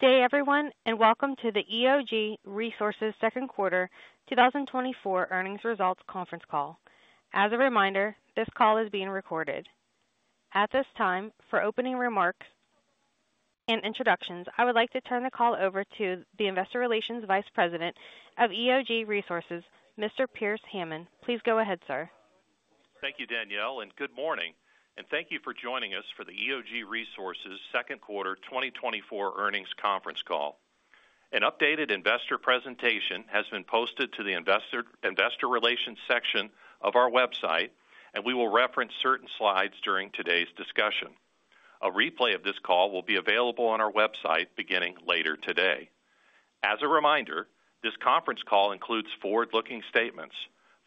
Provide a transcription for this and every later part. Good day, everyone, and welcome to the EOG Resources Second Quarter 2024 Earnings Results Conference Call. As a reminder, this call is being recorded. At this time, for opening remarks and introductions, I would like to turn the call over to the Investor Relations Vice President of EOG Resources, Mr. Pearce Hammond. Please go ahead, sir. Thank you, Danielle, and good morning, and thank you for joining us for the EOG Resources Second Quarter 2024 Earnings Conference Call. An updated investor presentation has been posted to the Investor Relations section of our website, and we will reference certain slides during today's discussion. A replay of this call will be available on our website beginning later today. As a reminder, this conference call includes forward-looking statements.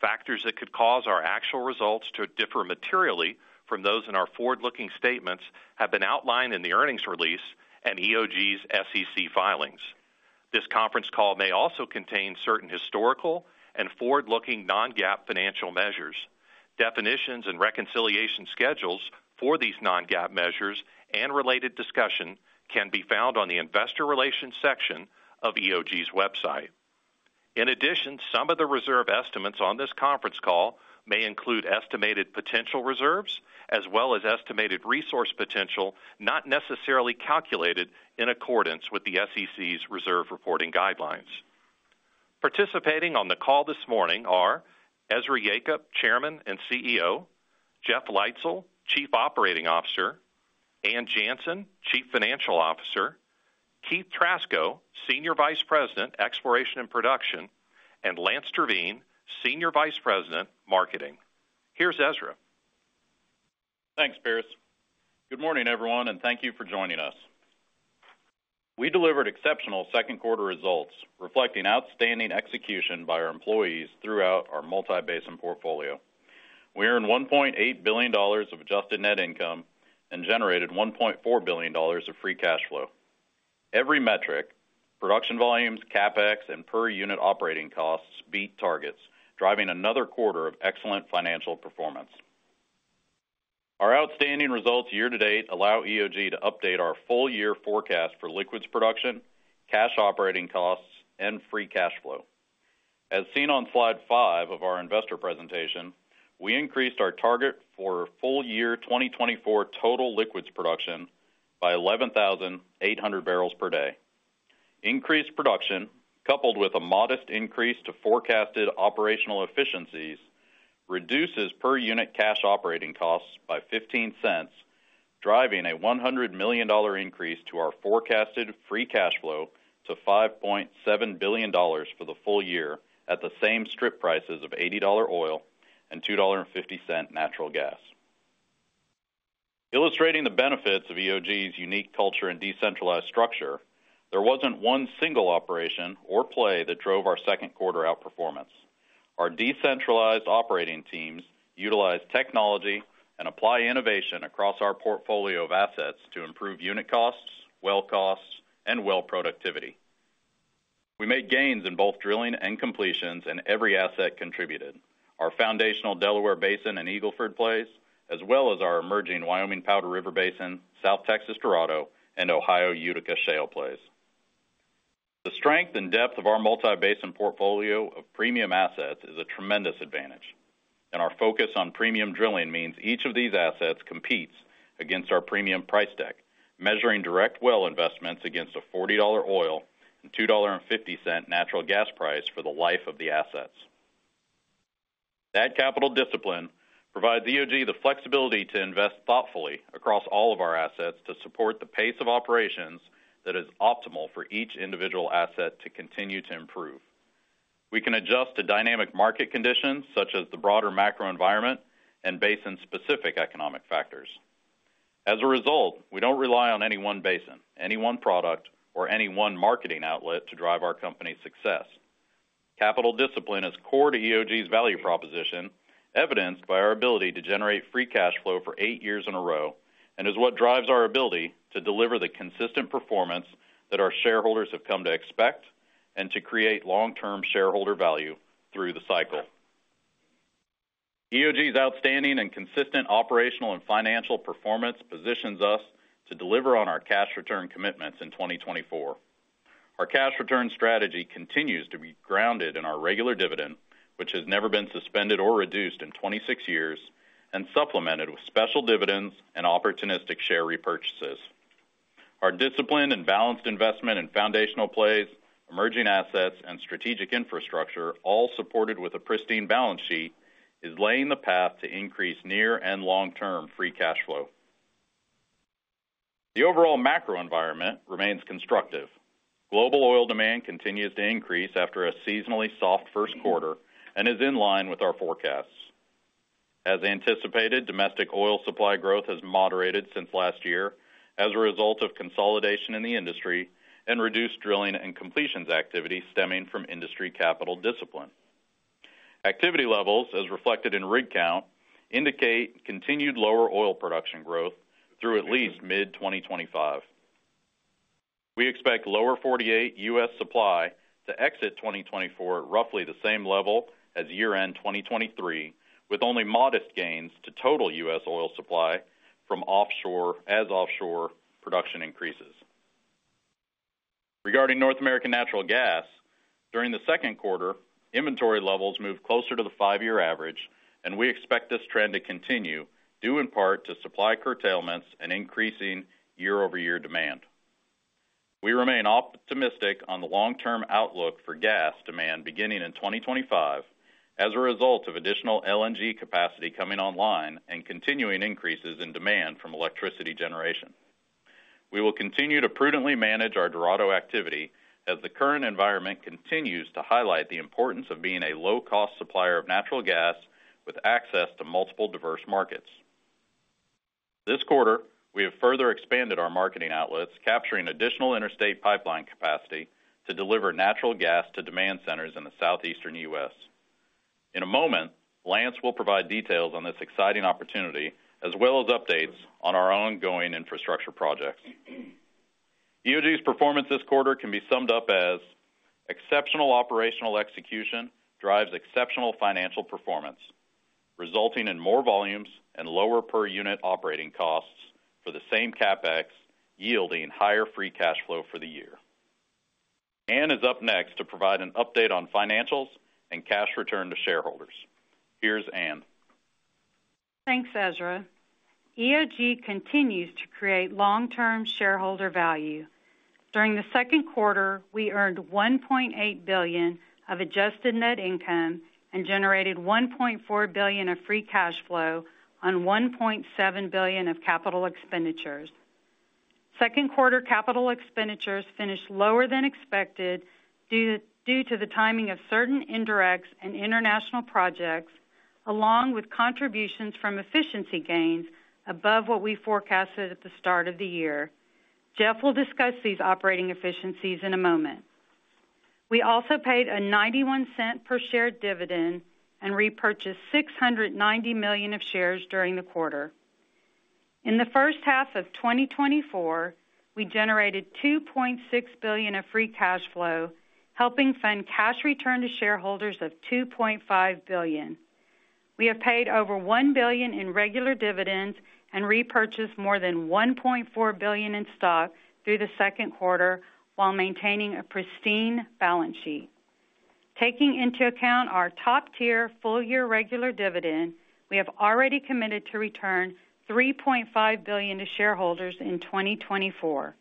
Factors that could cause our actual results to differ materially from those in our forward-looking statements have been outlined in the earnings release and EOG's SEC filings. This conference call may also contain certain historical and forward-looking non-GAAP financial measures. Definitions and reconciliation schedules for these non-GAAP measures and related discussion can be found on the Investor Relations section of EOG's website. In addition, some of the reserve estimates on this conference call may include estimated potential reserves, as well as estimated resource potential, not necessarily calculated in accordance with the SEC's reserve reporting guidelines. Participating on the call this morning are Ezra Yacob, Chairman and CEO; Jeff Leitzell, Chief Operating Officer; Ann Janssen, Chief Financial Officer; Keith Trasko, Senior Vice President, Exploration and Production; and Lance Terveen, Senior Vice President, Marketing. Here's Ezra. Thanks, Pierce. Good morning, everyone, and thank you for joining us. We delivered exceptional second quarter results, reflecting outstanding execution by our employees throughout our multi-basin portfolio. We earned $1.8 billion of adjusted net income and generated $1.4 billion of free cash flow. Every metric, production volumes, CapEx, and per unit operating costs beat targets, driving another quarter of excellent financial performance. Our outstanding results year-to-date allow EOG to update our full-year forecast for liquids production, cash operating costs, and free cash flow. As seen on Slide 5 of our investor presentation, we increased our target for full-year 2024 total liquids production by 11,800 barrels per day. Increased production, coupled with a modest increase to forecasted operational efficiencies, reduces per unit cash operating costs by $0.15, driving a $100 million increase to our forecasted free cash flow to $5.7 billion for the full year at the same strip prices of $80 oil and $2.50 natural gas. Illustrating the benefits of EOG's unique culture and decentralized structure, there wasn't one single operation or play that drove our second quarter outperformance. Our decentralized operating teams utilize technology and apply innovation across our portfolio of assets to improve unit costs, well costs, and well productivity. We made gains in both drilling and completions, and every asset contributed. Our foundational Delaware Basin and Eagle Ford plays, as well as our emerging Wyoming Powder River Basin, South Texas Dorado, and Ohio Utica Shale plays. The strength and depth of our multi-basin portfolio of premium assets is a tremendous advantage, and our focus on premium drilling means each of these assets competes against our premium price deck, measuring direct well investments against a $40 oil and $2.50 natural gas price for the life of the assets. That capital discipline provides EOG the flexibility to invest thoughtfully across all of our assets to support the pace of operations that is optimal for each individual asset to continue to improve. We can adjust to dynamic market conditions such as the broader macro environment and basin-specific economic factors. As a result, we don't rely on any one basin, any one product, or any one marketing outlet to drive our company's success. Capital discipline is core to EOG's value proposition, evidenced by our ability to generate free cash flow for 8 years in a row, and is what drives our ability to deliver the consistent performance that our shareholders have come to expect and to create long-term shareholder value through the cycle. EOG's outstanding and consistent operational and financial performance positions us to deliver on our cash return commitments in 2024. Our cash return strategy continues to be grounded in our regular dividend, which has never been suspended or reduced in 26 years, and supplemented with special dividends and opportunistic share repurchases. Our disciplined and balanced investment in foundational plays, emerging assets, and strategic infrastructure, all supported with a pristine balance sheet, is laying the path to increase near and long-term free cash flow. The overall macro environment remains constructive. Global oil demand continues to increase after a seasonally soft first quarter and is in line with our forecasts. As anticipated, domestic oil supply growth has moderated since last year as a result of consolidation in the industry and reduced drilling and completions activity stemming from industry capital discipline. Activity levels, as reflected in rig count, indicate continued lower oil production growth through at least mid-2025. We expect Lower 48 U.S. supply to exit 2024 at roughly the same level as year-end 2023, with only modest gains to total U.S. oil supply from offshore, as offshore production increases. Regarding North American natural gas, during the second quarter, inventory levels moved closer to the five-year average, and we expect this trend to continue, due in part to supply curtailments and increasing year-over-year demand. We remain optimistic on the long-term outlook for gas demand beginning in 2025, as a result of additional LNG capacity coming online and continuing increases in demand from electricity generation. We will continue to prudently manage our Dorado activity as the current environment continues to highlight the importance of being a low-cost supplier of natural gas with access to multiple diverse markets. This quarter, we have further expanded our marketing outlets, capturing additional interstate pipeline capacity to deliver natural gas to demand centers in the southeastern U.S. In a moment, Lance will provide details on this exciting opportunity, as well as updates on our ongoing infrastructure projects. EOG's performance this quarter can be summed up as exceptional operational execution drives exceptional financial performance, resulting in more volumes and lower per unit operating costs for the same CapEx, yielding higher free cash flow for the year. Ann is up next to provide an update on financials and cash return to shareholders. Here's Ann. Thanks, Ezra. EOG continues to create long-term shareholder value. During the second quarter, we earned $1.8 billion of adjusted net income and generated $1.4 billion of free cash flow on $1.7 billion of capital expenditures. Second quarter capital expenditures finished lower than expected, due to the timing of certain indirects and international projects, along with contributions from efficiency gains above what we forecasted at the start of the year. Jeff will discuss these operating efficiencies in a moment. We also paid a $0.91 per share dividend and repurchased 690 million shares during the quarter. In the first half of 2024, we generated $2.6 billion of free cash flow, helping fund cash return to shareholders of $2.5 billion. We have paid over $1 billion in regular dividends and repurchased more than $1.4 billion in stock through the second quarter, while maintaining a pristine balance sheet. Taking into account our top-tier full-year regular dividend, we have already committed to return $3.5 billion to shareholders in 2024.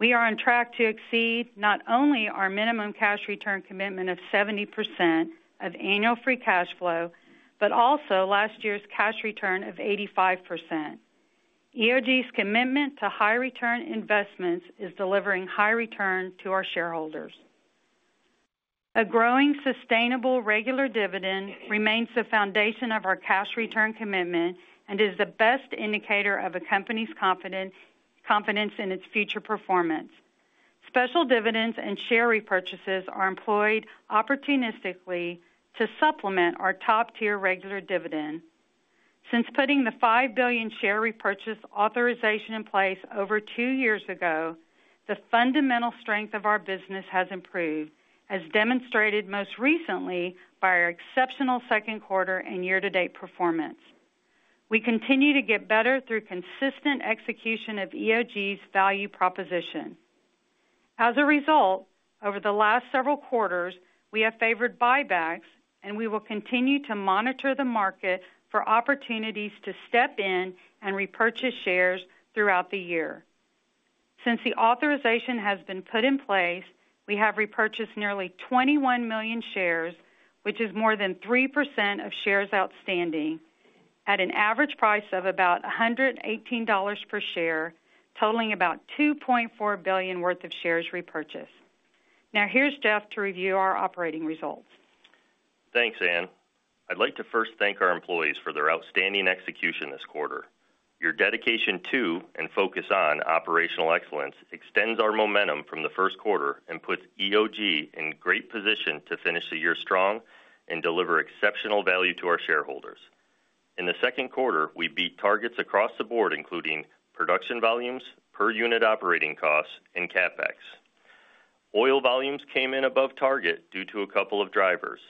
We are on track to exceed not only our minimum cash return commitment of 70% of annual free cash flow, but also last year's cash return of 85%. EOG's commitment to high return investments is delivering high returns to our shareholders. A growing, sustainable, regular dividend remains the foundation of our cash return commitment and is the best indicator of a company's confidence, confidence in its future performance. Special dividends and share repurchases are employed opportunistically to supplement our top-tier regular dividend. Since putting the $5 billion share repurchase authorization in place over two years ago, the fundamental strength of our business has improved, as demonstrated most recently by our exceptional second quarter and year-to-date performance. We continue to get better through consistent execution of EOG's value proposition. As a result, over the last several quarters, we have favored buybacks, and we will continue to monitor the market for opportunities to step in and repurchase shares throughout the year. Since the authorization has been put in place, we have repurchased nearly 21 million shares, which is more than 3% of shares outstanding, at an average price of about $118 per share, totaling about $2.4 billion worth of shares repurchased. Now, here's Jeff to review our operating results. Thanks, Ann. I'd like to first thank our employees for their outstanding execution this quarter. Your dedication to and focus on operational excellence extends our momentum from the first quarter and puts EOG in great position to finish the year strong and deliver exceptional value to our shareholders. In the second quarter, we beat targets across the board, including production volumes, per unit operating costs, and CapEx. Oil volumes came in above target due to a couple of drivers.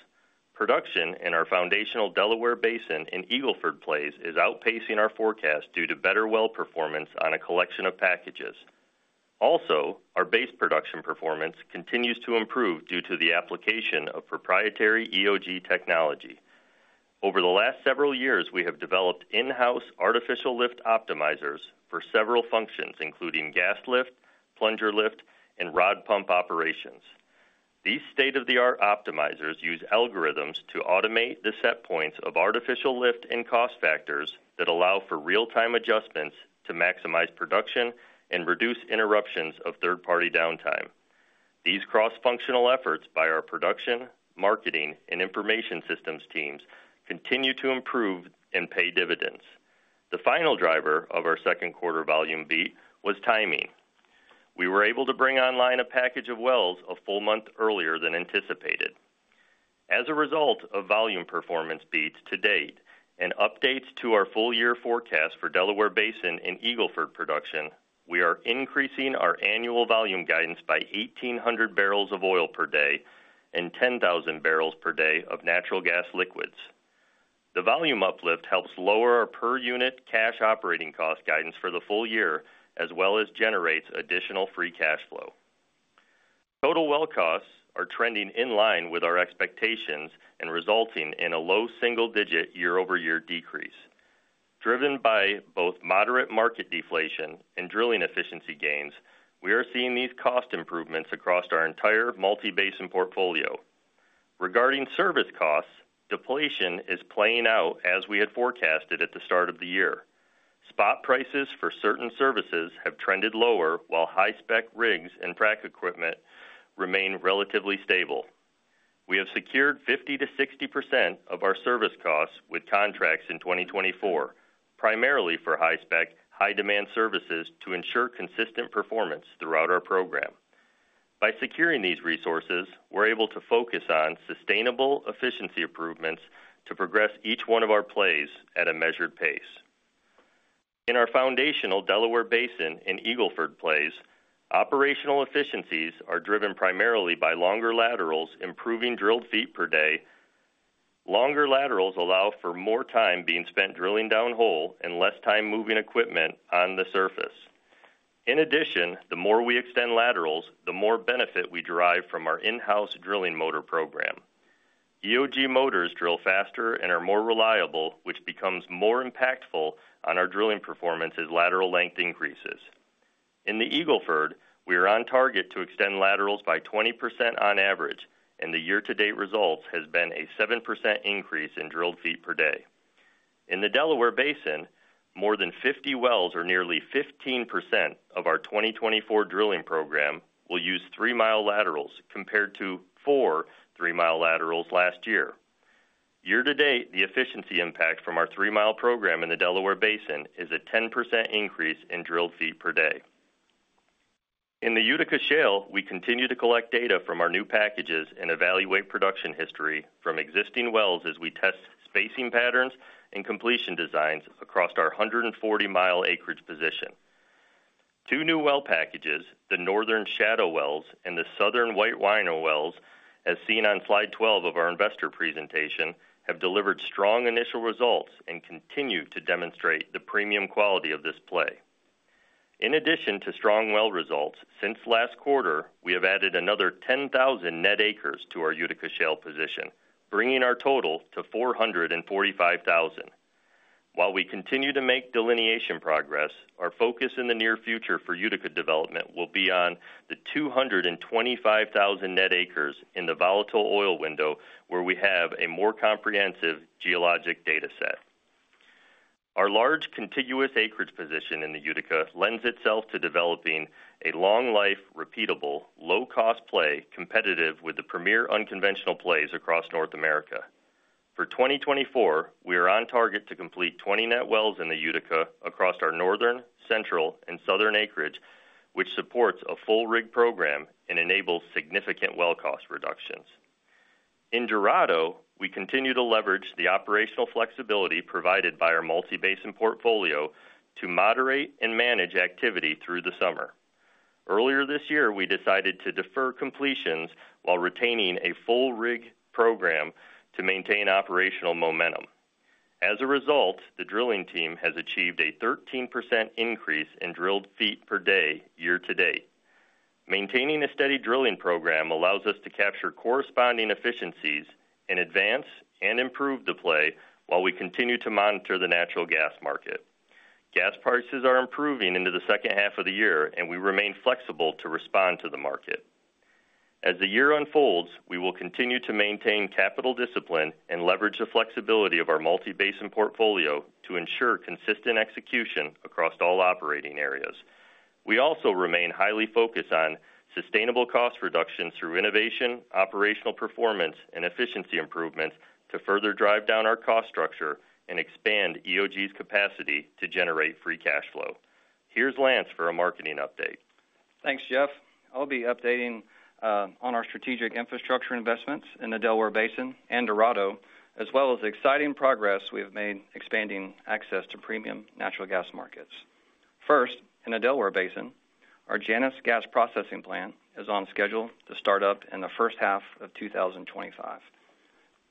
Production in our foundational Delaware Basin and Eagle Ford plays is outpacing our forecast due to better well performance on a collection of packages. Also, our base production performance continues to improve due to the application of proprietary EOG technology. Over the last several years, we have developed in-house artificial lift optimizers for several functions, including gas lift, plunger lift, and rod pump operations. These state-of-the-art optimizers use algorithms to automate the set points of artificial lift and cost factors that allow for real-time adjustments to maximize production and reduce interruptions of third-party downtime. These cross-functional efforts by our production, marketing, and information systems teams continue to improve and pay dividends. The final driver of our second quarter volume beat was timing. We were able to bring online a package of wells a full month earlier than anticipated. As a result of volume performance beats to date and updates to our full-year forecast for Delaware Basin and Eagle Ford production, we are increasing our annual volume guidance by 1,800 barrels of oil per day and 10,000 barrels per day of natural gas liquids. The volume uplift helps lower our per unit cash operating cost guidance for the full year, as well as generates additional free cash flow. Total well costs are trending in line with our expectations and resulting in a low single-digit year-over-year decrease. Driven by both moderate market deflation and drilling efficiency gains, we are seeing these cost improvements across our entire multi-basin portfolio. Regarding service costs, deflation is playing out as we had forecasted at the start of the year. Spot prices for certain services have trended lower, while high-spec rigs and frac equipment remain relatively stable. We have secured 50%-60% of our service costs with contracts in 2024, primarily for high-spec, high-demand services to ensure consistent performance throughout our program. By securing these resources, we're able to focus on sustainable efficiency improvements to progress each one of our plays at a measured pace. In our foundational Delaware Basin and Eagle Ford plays, operational efficiencies are driven primarily by longer laterals, improving drilled feet per day. Longer laterals allow for more time being spent drilling downhole and less time moving equipment on the surface. In addition, the more we extend laterals, the more benefit we derive from our in-house drilling motor program. EOG motors drill faster and are more reliable, which becomes more impactful on our drilling performance as lateral length increases. In the Eagle Ford, we are on target to extend laterals by 20% on average, and the year-to-date results has been a 7% increase in drilled feet per day. In the Delaware Basin, more than 50 wells, or nearly 15% of our 2024 drilling program, will use three-mile laterals compared to 4 three-mile laterals last year. Year-to-date, the efficiency impact from our three-mile program in the Delaware Basin is a 10% increase in drilled feet per day. In the Utica Shale, we continue to collect data from our new packages and evaluate production history from existing wells as we test spacing patterns and completion designs across our 140-mile acreage position. Two new well packages, the northern Shadow wells and the southern White Rhino wells, as seen on Slide 12 of our investor presentation, have delivered strong initial results and continue to demonstrate the premium quality of this play. In addition to strong well results, since last quarter, we have added another 10,000 net acres to our Utica Shale position, bringing our total to 445,000. While we continue to make delineation progress, our focus in the near future for Utica development will be on the 225,000 net acres in the volatile oil window, where we have a more comprehensive geologic data set. Our large contiguous acreage position in the Utica lends itself to developing a long-life, repeatable, low-cost play, competitive with the premier unconventional plays across North America. For 2024, we are on target to complete 20 net wells in the Utica across our northern, central, and southern acreage, which supports a full rig program and enables significant well cost reductions. In Dorado, we continue to leverage the operational flexibility provided by our multi-basin portfolio to moderate and manage activity through the summer. Earlier this year, we decided to defer completions while retaining a full rig program to maintain operational momentum. As a result, the drilling team has achieved a 13% increase in drilled feet per day year-to-date. Maintaining a steady drilling program allows us to capture corresponding efficiencies in advance and improve the play while we continue to monitor the natural gas market. Gas prices are improving into the second half of the year, and we remain flexible to respond to the market. As the year unfolds, we will continue to maintain capital discipline and leverage the flexibility of our multi-basin portfolio to ensure consistent execution across all operating areas. We also remain highly focused on sustainable cost reductions through innovation, operational performance, and efficiency improvements to further drive down our cost structure and expand EOG's capacity to generate free cash flow. Here's Lance for a marketing update. Thanks, Jeff. I'll be updating on our strategic infrastructure investments in the Delaware Basin and Dorado, as well as the exciting progress we have made expanding access to premium natural gas markets. First, in the Delaware Basin, our Janus gas processing plant is on schedule to start up in the first half of 2025.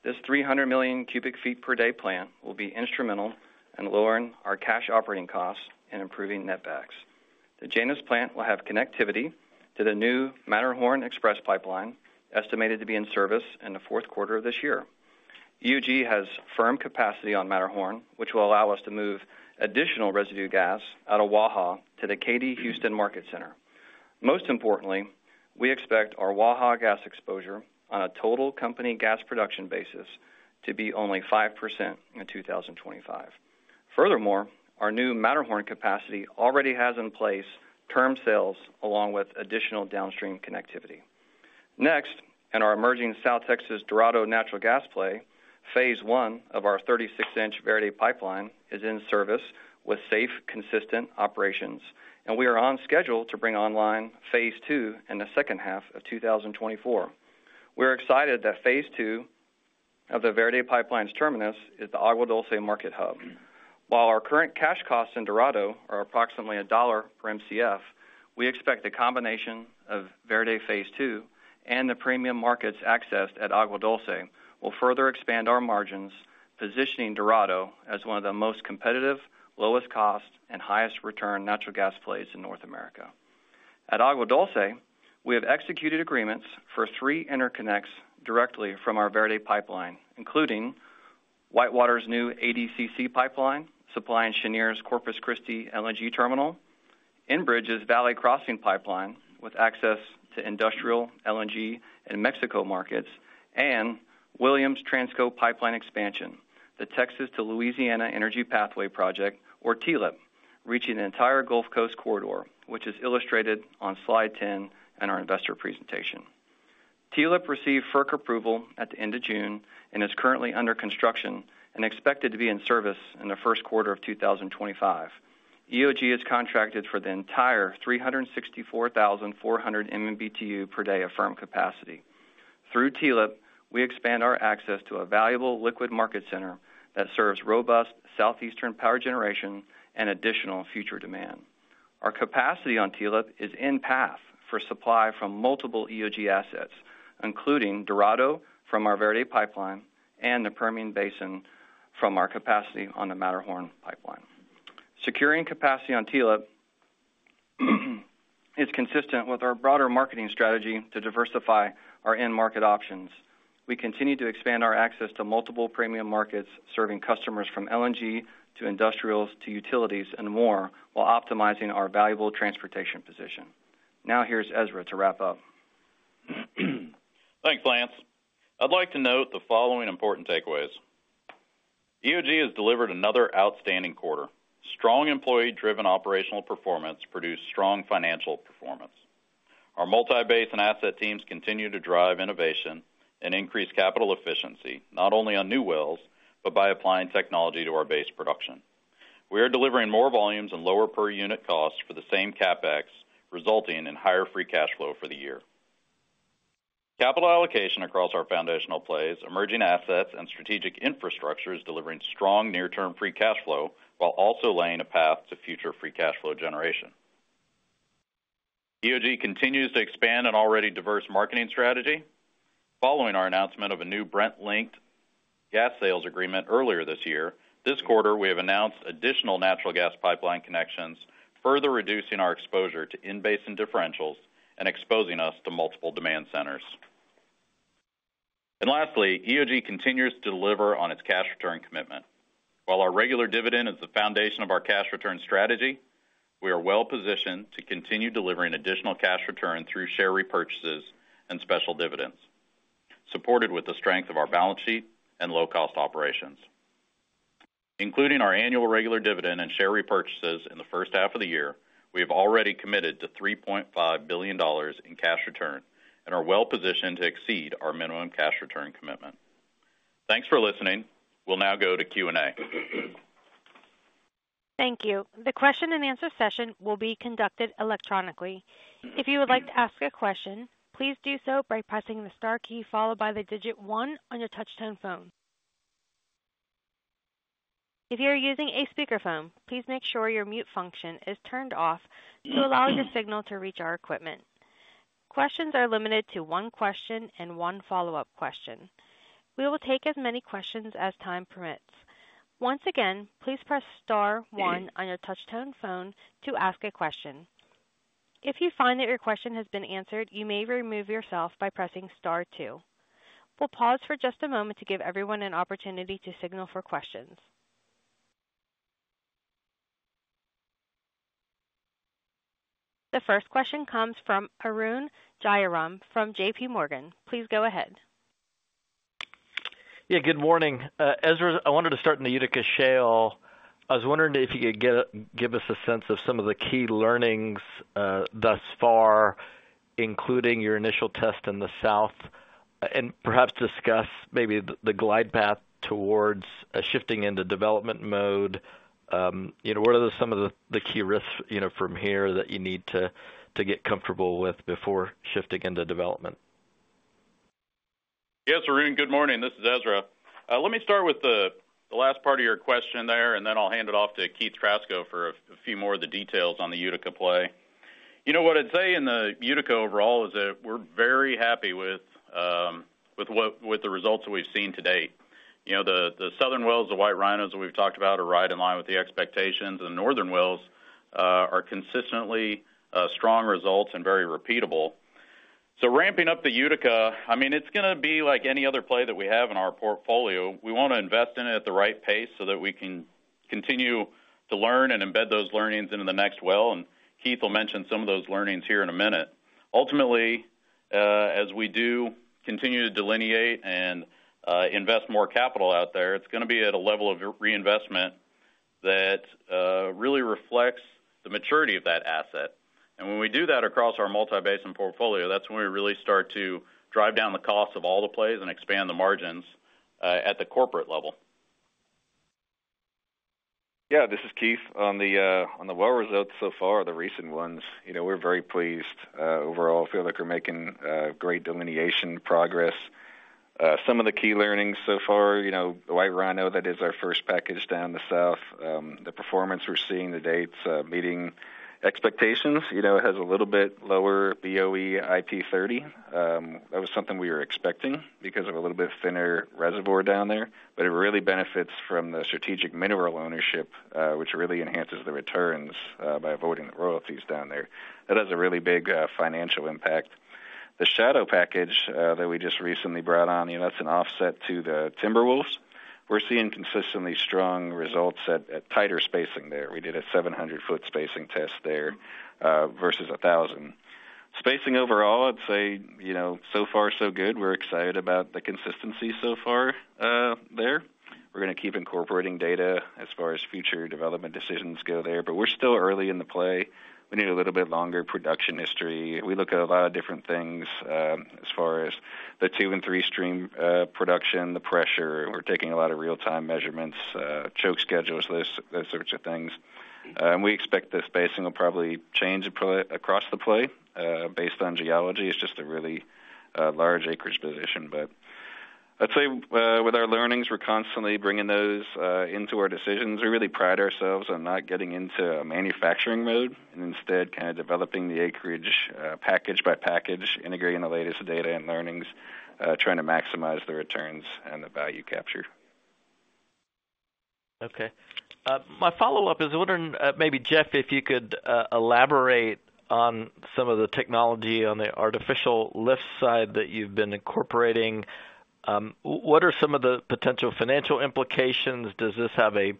This 300 million cubic feet per day plant will be instrumental in lowering our cash operating costs and improving netbacks. The Janus plant will have connectivity to the new Matterhorn Express Pipeline, estimated to be in service in the fourth quarter of this year. EOG has firm capacity on Matterhorn, which will allow us to move additional residue gas out of Waha to the Katy Houston market center. Most importantly, we expect our Waha gas exposure on a total company gas production basis to be only 5% in 2025. Furthermore, our new Matterhorn capacity already has in place term sales along with additional downstream connectivity. Next, in our emerging South Texas Dorado natural gas play, Phase 1 of our 36-inch Verde Pipeline is in service with safe, consistent operations, and we are on schedule to bring online Phase 2 in the second half of 2024. We're excited that Phase 2 of the Verde Pipeline's terminus is the Agua Dulce market hub. While our current cash costs in Dorado are approximately $1 per Mcf, we expect the combination of Verde Phase 2 and the premium markets accessed at Agua Dulce will further expand our margins, positioning Dorado as one of the most competitive, lowest cost, and highest return natural gas plays in North America. At Agua Dulce, we have executed agreements for three interconnects directly from our Verde Pipeline, including WhiteWater's new ADCC Pipeline, supplying Cheniere's Corpus Christi LNG terminal, Enbridge's Valley Crossing Pipeline, with access to industrial, LNG, and Mexico markets, and Williams Transco pipeline expansion, the Texas to Louisiana Energy Pathway Project, or TLEP, reaching the entire Gulf Coast corridor, which is illustrated on Slide 10 in our investor presentation. TLEP received FERC approval at the end of June and is currently under construction and expected to be in service in the first quarter of 2025. EOG has contracted for the entire 364,400 MMBtu per day of firm capacity. Through TLEP, we expand our access to a valuable liquid market center that serves robust Southeastern power generation and additional future demand. Our capacity on TLEP is in path for supply from multiple EOG assets, including Dorado from our Verde Pipeline and the Permian Basin from our capacity on the Matterhorn Pipeline. Securing capacity on TLEP is consistent with our broader marketing strategy to diversify our end market options. We continue to expand our access to multiple premium markets, serving customers from LNG to industrials to utilities and more, while optimizing our valuable transportation position. Now, here's Ezra to wrap up. Thanks, Lance. I'd like to note the following important takeaways: EOG has delivered another outstanding quarter. Strong employee-driven operational performance produced strong financial performance. Our multi-basin asset teams continue to drive innovation and increase capital efficiency, not only on new wells, but by applying technology to our base production. We are delivering more volumes and lower per unit costs for the same CapEx, resulting in higher free cash flow for the year. Capital allocation across our foundational plays, emerging assets, and strategic infrastructure is delivering strong near-term free cash flow, while also laying a path to future free cash flow generation. EOG continues to expand an already diverse marketing strategy. Following our announcement of a new Brent-linked gas sales agreement earlier this year, this quarter, we have announced additional natural gas pipeline connections, further reducing our exposure to in-basin differentials and exposing us to multiple demand centers. Lastly, EOG continues to deliver on its cash return commitment. While our regular dividend is the foundation of our cash return strategy, we are well-positioned to continue delivering additional cash return through share repurchases and special dividends, supported with the strength of our balance sheet and low-cost operations. Including our annual regular dividend and share repurchases in the first half of the year, we have already committed to $3.5 billion in cash return and are well-positioned to exceed our minimum cash return commitment. Thanks for listening. We'll now go to Q&A. Thank you. The question-and-answer session will be conducted electronically. If you would like to ask a question, please do so by pressing the star key, followed by the digit one on your touchtone phone. If you are using a speakerphone, please make sure your mute function is turned off to allow your signal to reach our equipment. Questions are limited to one question and one follow-up question. We will take as many questions as time permits. Once again, please press star one on your touchtone phone to ask a question. If you find that your question has been answered, you may remove yourself by pressing star two. We'll pause for just a moment to give everyone an opportunity to signal for questions. The first question comes from Arun Jayaram from J.P. Morgan. Please go ahead. Yeah, good morning. Ezra, I wanted to start in the Utica Shale. I was wondering if you could give, give us a sense of some of the key learnings, thus far, including your initial test in the South, and perhaps discuss maybe the glide path towards a shifting into development mode. What are some of the, the key risks, you know, from here that you need to, to get comfortable with before shifting into development? Yes, Arun, good morning. This is Ezra. Let me start with the last part of your question there, and then I'll hand it off to Keith Trasko for a few more of the details on the Utica play. You know, what I'd say in the Utica overall is that we're very happy with what with the results that we've seen to date. You know, the southern wells, the White Rhinos that we've talked about, are right in line with the expectations, and the northern wells are consistently strong results and very repeatable. So ramping up the Utica, I mean, it's going to be like any other play that we have in our portfolio. We want to invest in it at the right pace so that we can continue to learn and embed those learnings into the next well, and Keith will mention some of those learnings here in a minute. Ultimately, as we do continue to delineate and invest more capital out there, it's going to be at a level of reinvestment that really reflects the maturity of that asset. And when we do that across our multi-basin portfolio, that's when we really start to drive down the cost of all the plays and expand the margins at the corporate level. Yeah, this is Keith. On the well results so far, the recent ones, you know, we're very pleased overall. I feel like we're making great delineation progress. Some of the key learnings so far, you know, the White Rhino, that is our first package down the south. The performance we're seeing, the dates meeting expectations. You know, it has a little bit lower BOE IP30. That was something we were expecting because of a little bit thinner reservoir down there, but it really benefits from the strategic mineral ownership, which really enhances the returns by avoiding the royalties down there. That has a really big financial impact. The Shadow package that we just recently brought on, you know, that's an offset to the Timberwolf. We're seeing consistently strong results at tighter spacing there. We did a 700-foot spacing test there versus 1,000. Spacing overall, I'd say, you know, so far, so good. We're excited about the consistency so far there. We're gonna keep incorporating data as far as future development decisions go there, but we're still early in the play. We need a little bit longer production history. We look at a lot of different things as far as the two and three stream production, the pressure. We're taking a lot of real-time measurements, choke schedules, those sorts of things. And we expect the spacing will probably change across the play based on geology. It's just a really large acreage position. But I'd say, with our learnings, we're constantly bringing those into our decisions. We really pride ourselves on not getting into a manufacturing mode, and instead, kind of developing the acreage package by package, integrating the latest data and learnings, trying to maximize the returns and the value capture. Okay. My follow-up is I was wondering, maybe, Jeff, if you could elaborate on some of the technology on the artificial lift side that you've been incorporating. What are some of the potential financial implications? Does this have a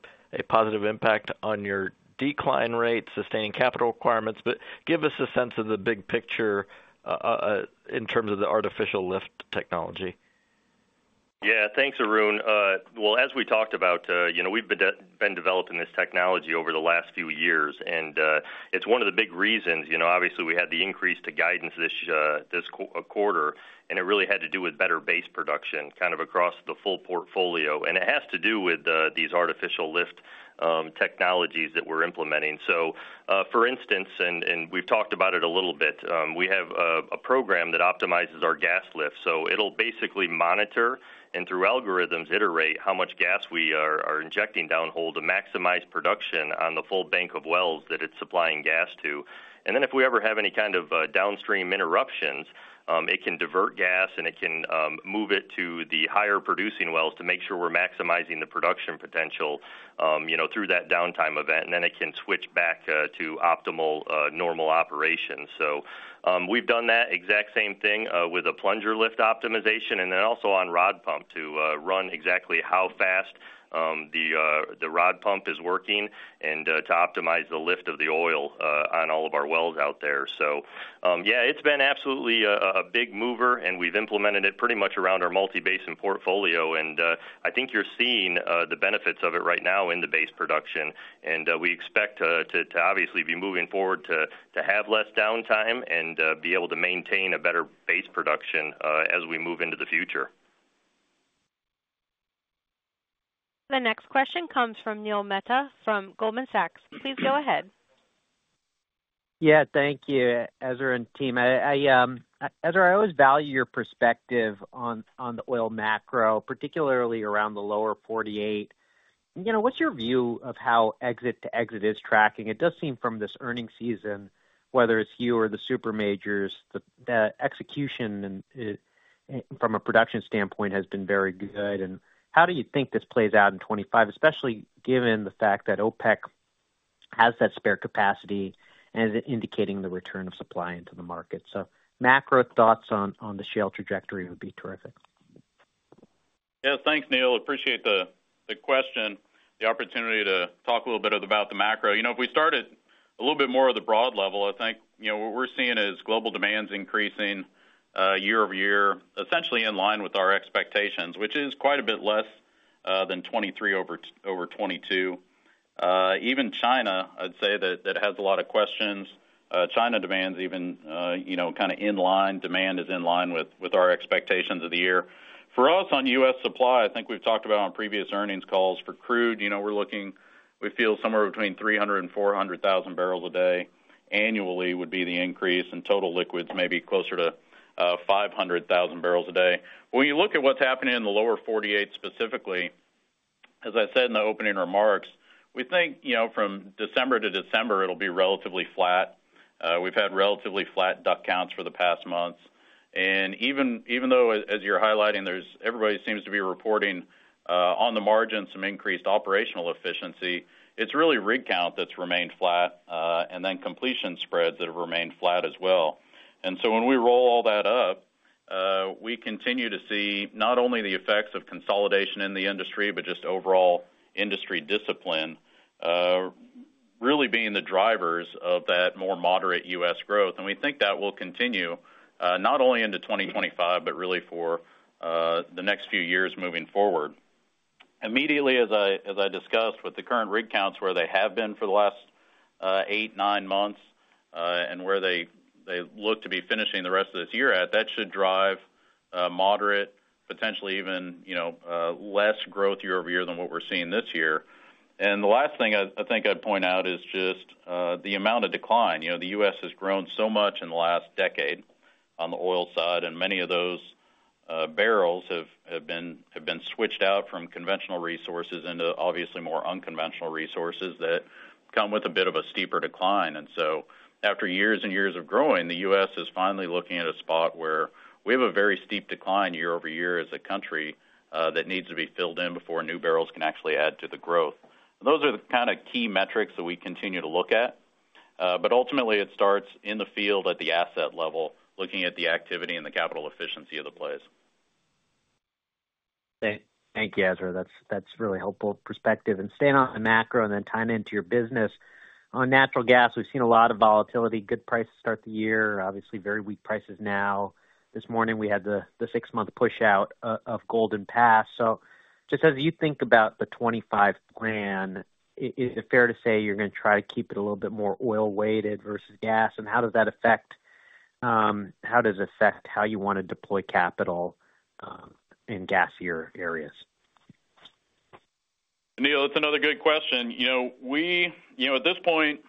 positive impact on your decline rate, sustaining capital requirements? But give us a sense of the big picture in terms of the artificial lift technology. Yeah, thanks, Arun. Well, as we talked about, you know, we've been developing this technology over the last few years, and it's one of the big reasons, you know, obviously, we had the increase to guidance this year, this quarter, and it really had to do with better base production, kind of across the full portfolio. And it has to do with these artificial lift technologies that we're implementing. So, for instance, we've talked about it a little bit, we have a program that optimizes our gas lift. So it'll basically monitor, and through algorithms, iterate how much gas we are injecting downhole to maximize production on the full bank of wells that it's supplying gas to. And then if we ever have any kind of downstream interruptions, it can divert gas, and it can move it to the higher producing wells to make sure we're maximizing the production potential, you know, through that downtime event, and then it can switch back to optimal normal operations. So, we've done that exact same thing with a plunger lift optimization and then also on rod pump to run exactly how fast the rod pump is working and to optimize the lift of the oil on all of our wells out there. So, yeah, it's been absolutely a big mover, and we've implemented it pretty much around our multi-basin portfolio. And I think you're seeing the benefits of it right now in the base production. We expect to obviously be moving forward to have less downtime and be able to maintain a better base production as we move into the future. The next question comes from Neil Mehta from Goldman Sachs. Please go ahead. Yeah, thank you, Ezra and team. I, Ezra, I always value your perspective on, on the oil macro, particularly around the Lower 48. You know, what's your view of how exit to exit is tracking? It does seem from this earnings season, whether it's you or the super majors, the execution and from a production standpoint, has been very good. And how do you think this plays out in 2025, especially given the fact that OPEC has that spare capacity and is indicating the return of supply into the market? So macro thoughts on, on the shale trajectory would be terrific. Yeah. Thanks, Neil. Appreciate the question, the opportunity to talk a little bit about the macro. You know, if we start at a little bit more of the broad level, I think, you know, what we're seeing is global demand increasing year-over-year, essentially in line with our expectations, which is quite a bit less than 2023 over 2022. Even China, I'd say that has a lot of questions. China demand even, you know, kind of in line, demand is in line with our expectations of the year. For us, on U.S. supply, I think we've talked about on previous earnings calls, for crude, you know, we're looking—we feel somewhere between 300,000 and 400,000 barrels a day annually would be the increase, and total liquids may be closer to 500,000 barrels a day. When you look at what's happening in the Lower 48, specifically, as I said in the opening remarks, we think, you know, from December to December, it'll be relatively flat. We've had relatively flat DUC counts for the past months. And even though, as you're highlighting, there's everybody seems to be reporting, on the margin, some increased operational efficiency, it's really rig count that's remained flat, and then completion spreads that have remained flat as well. And so when we roll all that up, we continue to see not only the effects of consolidation in the industry, but just overall industry discipline, really being the drivers of that more moderate U.S. growth. And we think that will continue, not only into 2025, but really for, the next few years moving forward. Immediately, as I, as I discussed, with the current rig counts, where they have been for the last 8, 9 months, and where they, they look to be finishing the rest of this year at, that should drive moderate, potentially even, you know, less growth year-over-year than what we're seeing this year. And the last thing I, I think I'd point out is just the amount of decline. You know, the U.S. has grown so much in the last decade on the oil side, and many of those barrels have been switched out from conventional resources into obviously more unconventional resources that come with a bit of a steeper decline. After years and years of growing, the U.S. is finally looking at a spot where we have a very steep decline year-over-year as a country that needs to be filled in before new barrels can actually add to the growth. Those are the kind of key metrics that we continue to look at. But ultimately, it starts in the field at the asset level, looking at the activity and the capital efficiency of the place. Thank you, Ezra. That's really helpful perspective. And staying on the macro and then tying into your business. On natural gas, we've seen a lot of volatility, good prices start the year, obviously, very weak prices now. This morning, we had the 6-month pushout of Golden Pass. So just as you think about the 25 grand, is it fair to say you're going to try to keep it a little bit more oil-weighted versus gas? And how does that affect... How does it affect how you want to deploy capital in gassier areas? Neil, that's another good question. You know, we—you know, at this point,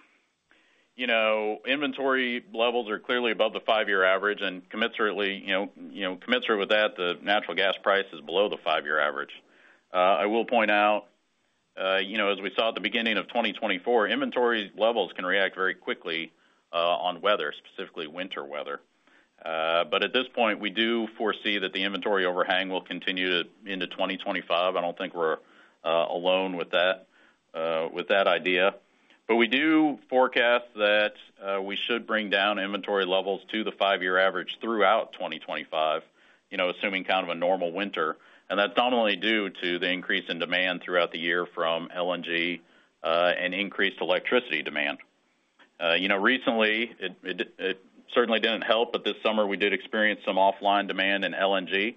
you know, inventory levels are clearly above the five-year average, and commensurately, you know, you know, commensurate with that, the natural gas price is below the five-year average. I will point out, you know, as we saw at the beginning of 2024, inventory levels can react very quickly, on weather, specifically winter weather. But at this point, we do foresee that the inventory overhang will continue into 2025. I don't think we're alone with that, with that idea. But we do forecast that we should bring down inventory levels to the five-year average throughout 2025, you know, assuming kind of a normal winter. And that's not only due to the increase in demand throughout the year from LNG and increased electricity demand. You know, recently, it certainly didn't help, but this summer we did experience some offline demand in LNG.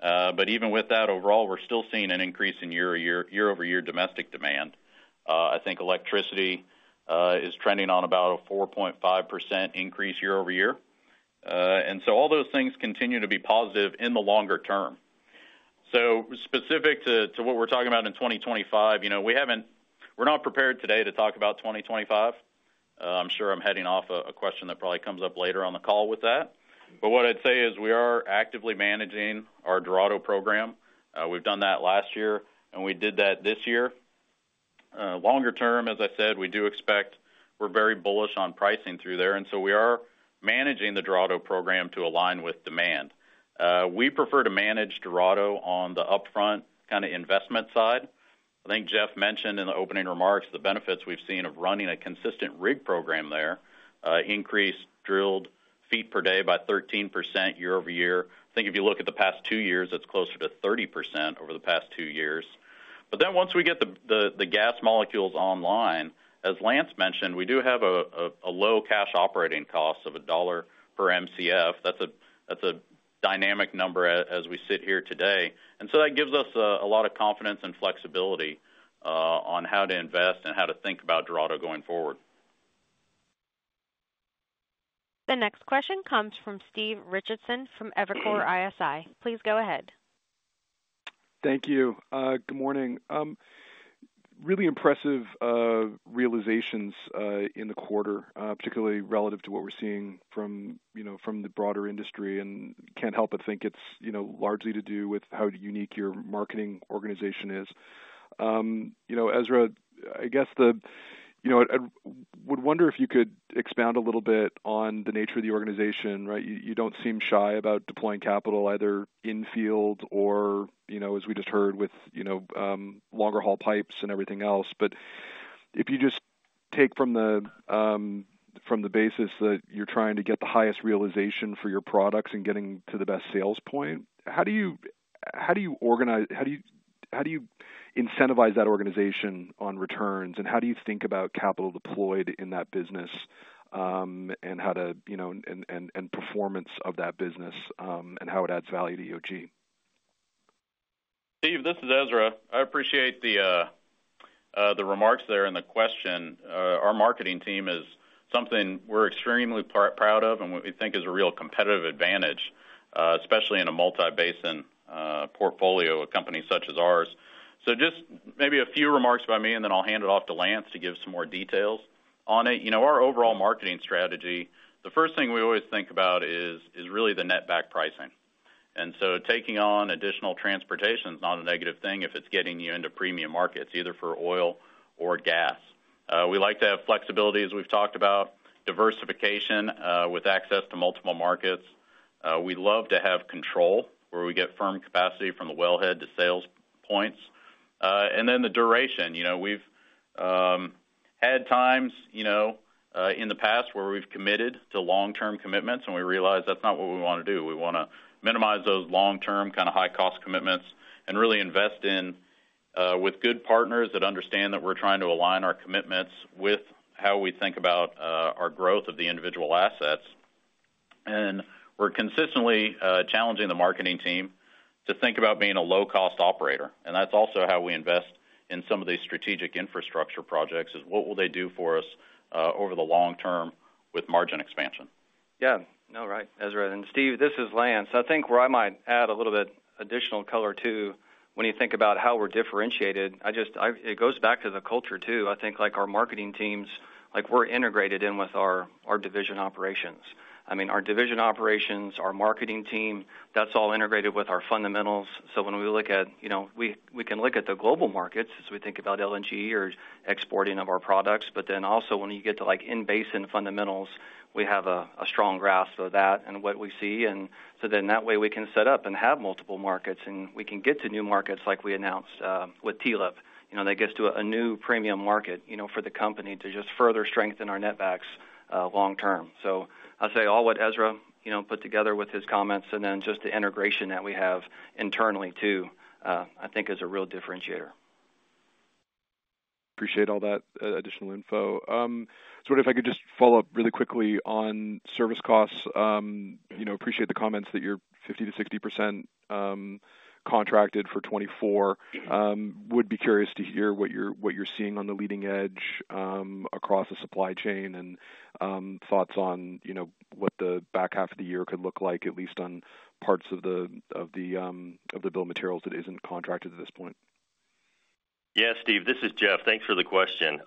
But even with that, overall, we're still seeing an increase in year-over-year domestic demand. I think electricity is trending on about a 4.5% increase year-over-year. And so all those things continue to be positive in the longer term. So specific to what we're talking about in 2025, you know, we haven't. We're not prepared today to talk about 2025. I'm sure I'm heading off a question that probably comes up later on the call with that. But what I'd say is we are actively managing our Dorado program. We've done that last year, and we did that this year. Longer term, as I said, we do expect we're very bullish on pricing through there, and so we are managing the Dorado program to align with demand. We prefer to manage Dorado on the upfront kind of investment side. I think Jeff mentioned in the opening remarks, the benefits we've seen of running a consistent rig program there, increased drilled feet per day by 13% year-over-year. I think if you look at the past two years, it's closer to 30% over the past two years. But then once we get the gas molecules online, as Lance mentioned, we do have a low cash operating cost of $1 per Mcf. That's a dynamic number as we sit here today. And so that gives us a lot of confidence and flexibility on how to invest and how to think about Dorado going forward. The next question comes from Steve Richardson from Evercore ISI. Please go ahead. Thank you. Good morning. Really impressive realizations in the quarter, particularly relative to what we're seeing from, you know, from the broader industry, and can't help but think it's, you know, largely to do with how unique your marketing organization is. You know, Ezra, I guess the, you know, I would wonder if you could expound a little bit on the nature of the organization, right? You, you don't seem shy about deploying capital, either in field or, you know, as we just heard with, you know, longer-haul pipes and everything else. If you just take from the basis that you're trying to get the highest realization for your products and getting to the best sales point, how do you organize, how do you incentivize that organization on returns, and how do you think about capital deployed in that business, and how to, you know, and performance of that business, and how it adds value to EOG? Steve, this is Ezra. I appreciate the remarks there and the question. Our marketing team is something we're extremely proud of and what we think is a real competitive advantage, especially in a multi-basin portfolio, a company such as ours. So just maybe a few remarks by me, and then I'll hand it off to Lance to give some more details on it. You know, our overall marketing strategy, the first thing we always think about is really the netback pricing. And so taking on additional transportation is not a negative thing if it's getting you into premium markets, either for oil or gas. We like to have flexibility, as we've talked about, diversification, with access to multiple markets. We love to have control, where we get firm capacity from the wellhead to sales points, and then the duration. You know, we've had times, you know, in the past where we've committed to long-term commitments, and we realized that's not what we want to do. We want to minimize those long-term, kind of high-cost commitments and really invest in with good partners that understand that we're trying to align our commitments with how we think about our growth of the individual assets. And we're consistently challenging the marketing team to think about being a low-cost operator, and that's also how we invest in some of these strategic infrastructure projects, is what will they do for us over the long term with margin expansion? Yeah. No, right, Ezra and Steve, this is Lance. I think where I might add a little bit additional color, too, when you think about how we're differentiated, I just, it goes back to the culture, too. I think, like, our marketing teams, like, we're integrated in with our division operations. I mean, our division operations, our marketing team, that's all integrated with our fundamentals. So when we look at, you know, we can look at the global markets as we think about LNG or exporting of our products, but then also when you get to, like, in-basin fundamentals, we have a strong grasp of that and what we see, and so then that way, we can set up and have multiple markets, and we can get to new markets like we announced with TLEP. You know, that gets to a new premium market, you know, for the company to just further strengthen our netbacks, long term. So I'll say all what Ezra, you know, put together with his comments, and then just the integration that we have internally, too, I think is a real differentiator. Appreciate all that, additional info. So what if I could just follow up really quickly on service costs? You know, appreciate the comments that you're 50%-60% contracted for 2024. Would be curious to hear what you're seeing on the leading edge across the supply chain and thoughts on, you know, what the back half of the year could look like, at least on parts of the build materials that isn't contracted at this point. Yeah, Steve, this is Jeff. Thanks for the question.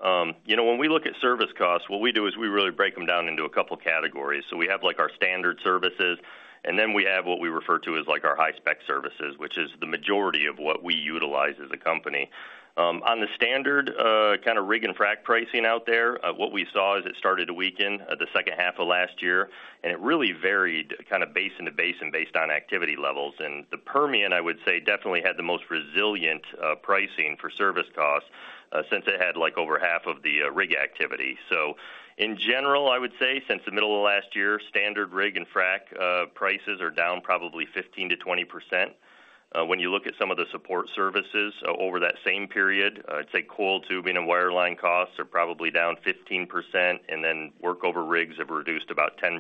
You know, when we look at service costs, what we do is we really break them down into a couple of categories. So we have, like, our standard services, and then we have what we refer to as, like, our high-spec services, which is the majority of what we utilize as a company. On the standard, kind of rig and frac pricing out there, what we saw is it started to weaken, the second half of last year, and it really varied kind of basin to basin based on activity levels. And the Permian, I would say, definitely had the most resilient, pricing for service costs, since it had, like, over half of the, rig activity. So in general, I would say since the middle of last year, standard rig and frac prices are down probably 15%-20%. When you look at some of the support services over that same period, I'd say coiled tubing and wireline costs are probably down 15%, and then workover rigs have reduced about 10%.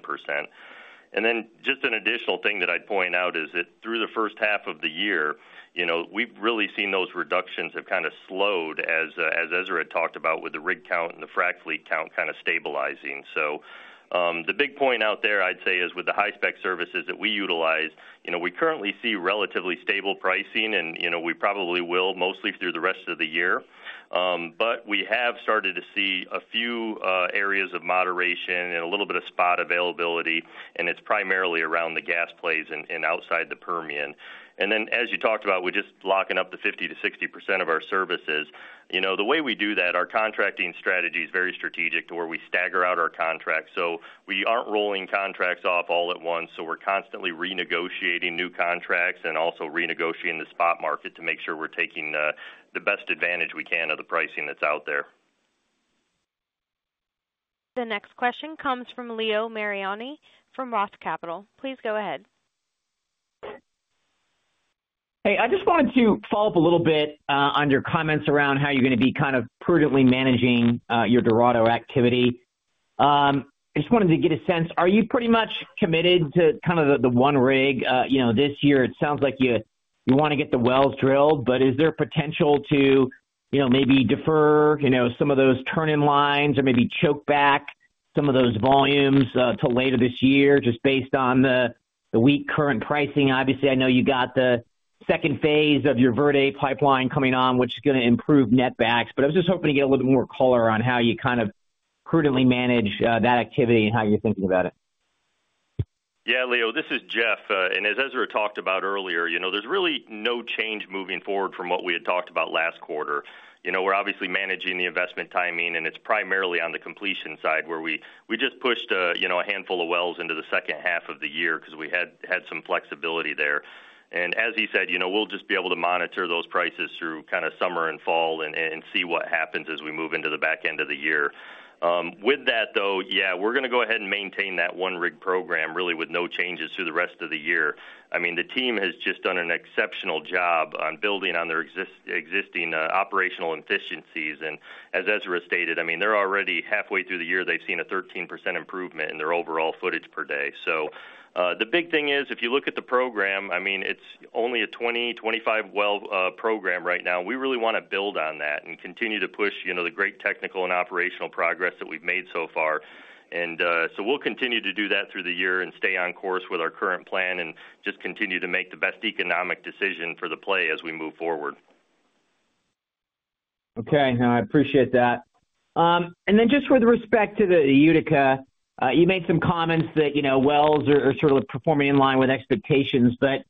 And then just an additional thing that I'd point out is that through the first half of the year, you know, we've really seen those reductions have kind of slowed, as, as Ezra had talked about, with the rig count and the frac fleet count kind of stabilizing. So, the big point out there, I'd say, is with the high-spec services that we utilize, you know, we currently see relatively stable pricing, and, you know, we probably will mostly through the rest of the year. But we have started to see a few areas of moderation and a little bit of spot availability, and it's primarily around the gas plays and outside the Permian. And then, as you talked about, we're just locking up the 50%-60% of our services. You know, the way we do that, our contracting strategy is very strategic to where we stagger out our contracts, so we aren't rolling contracts off all at once. So we're constantly renegotiating new contracts and also renegotiating the spot market to make sure we're taking the best advantage we can of the pricing that's out there. The next question comes from Leo Mariani, from Roth Capital. Please go ahead. Hey, I just wanted to follow up a little bit on your comments around how you're gonna be kind of prudently managing your Dorado activity. I just wanted to get a sense, are you pretty much committed to kind of the, the one rig, you know, this year? It sounds like you, you wanna get the wells drilled, but is there potential to, you know, maybe defer, you know, some of those turn-in lines or maybe choke back some of those volumes to later this year, just based on the, the weak current pricing? Obviously, I know you got the second phase of your Verde Pipeline coming on, which is gonna improve netbacks, but I was just hoping to get a little more color on how you kind of prudently manage that activity and how you're thinking about it. Yeah, Leo, this is Jeff. And as Ezra talked about earlier, you know, there's really no change moving forward from what we had talked about last quarter. You know, we're obviously managing the investment timing, and it's primarily on the completion side, where we just pushed, you know, a handful of wells into the second half of the year because we had some flexibility there. And as he said, you know, we'll just be able to monitor those prices through kind of summer and fall and see what happens as we move into the back end of the year. With that, though, yeah, we're gonna go ahead and maintain that one rig program really with no changes through the rest of the year. I mean, the team has just done an exceptional job on building on their existing operational efficiencies. And as Ezra stated, I mean, they're already halfway through the year, they've seen a 13% improvement in their overall footage per day. So, the big thing is, if you look at the program, I mean, it's only a 20-25 well program right now. We really wanna build on that and continue to push, you know, the great technical and operational progress that we've made so far. And, so we'll continue to do that through the year and stay on course with our current plan and just continue to make the best economic decision for the play as we move forward. Okay, I appreciate that. And then just with respect to the Utica, you made some comments that, you know, wells are, are sort of performing in line with expectations, but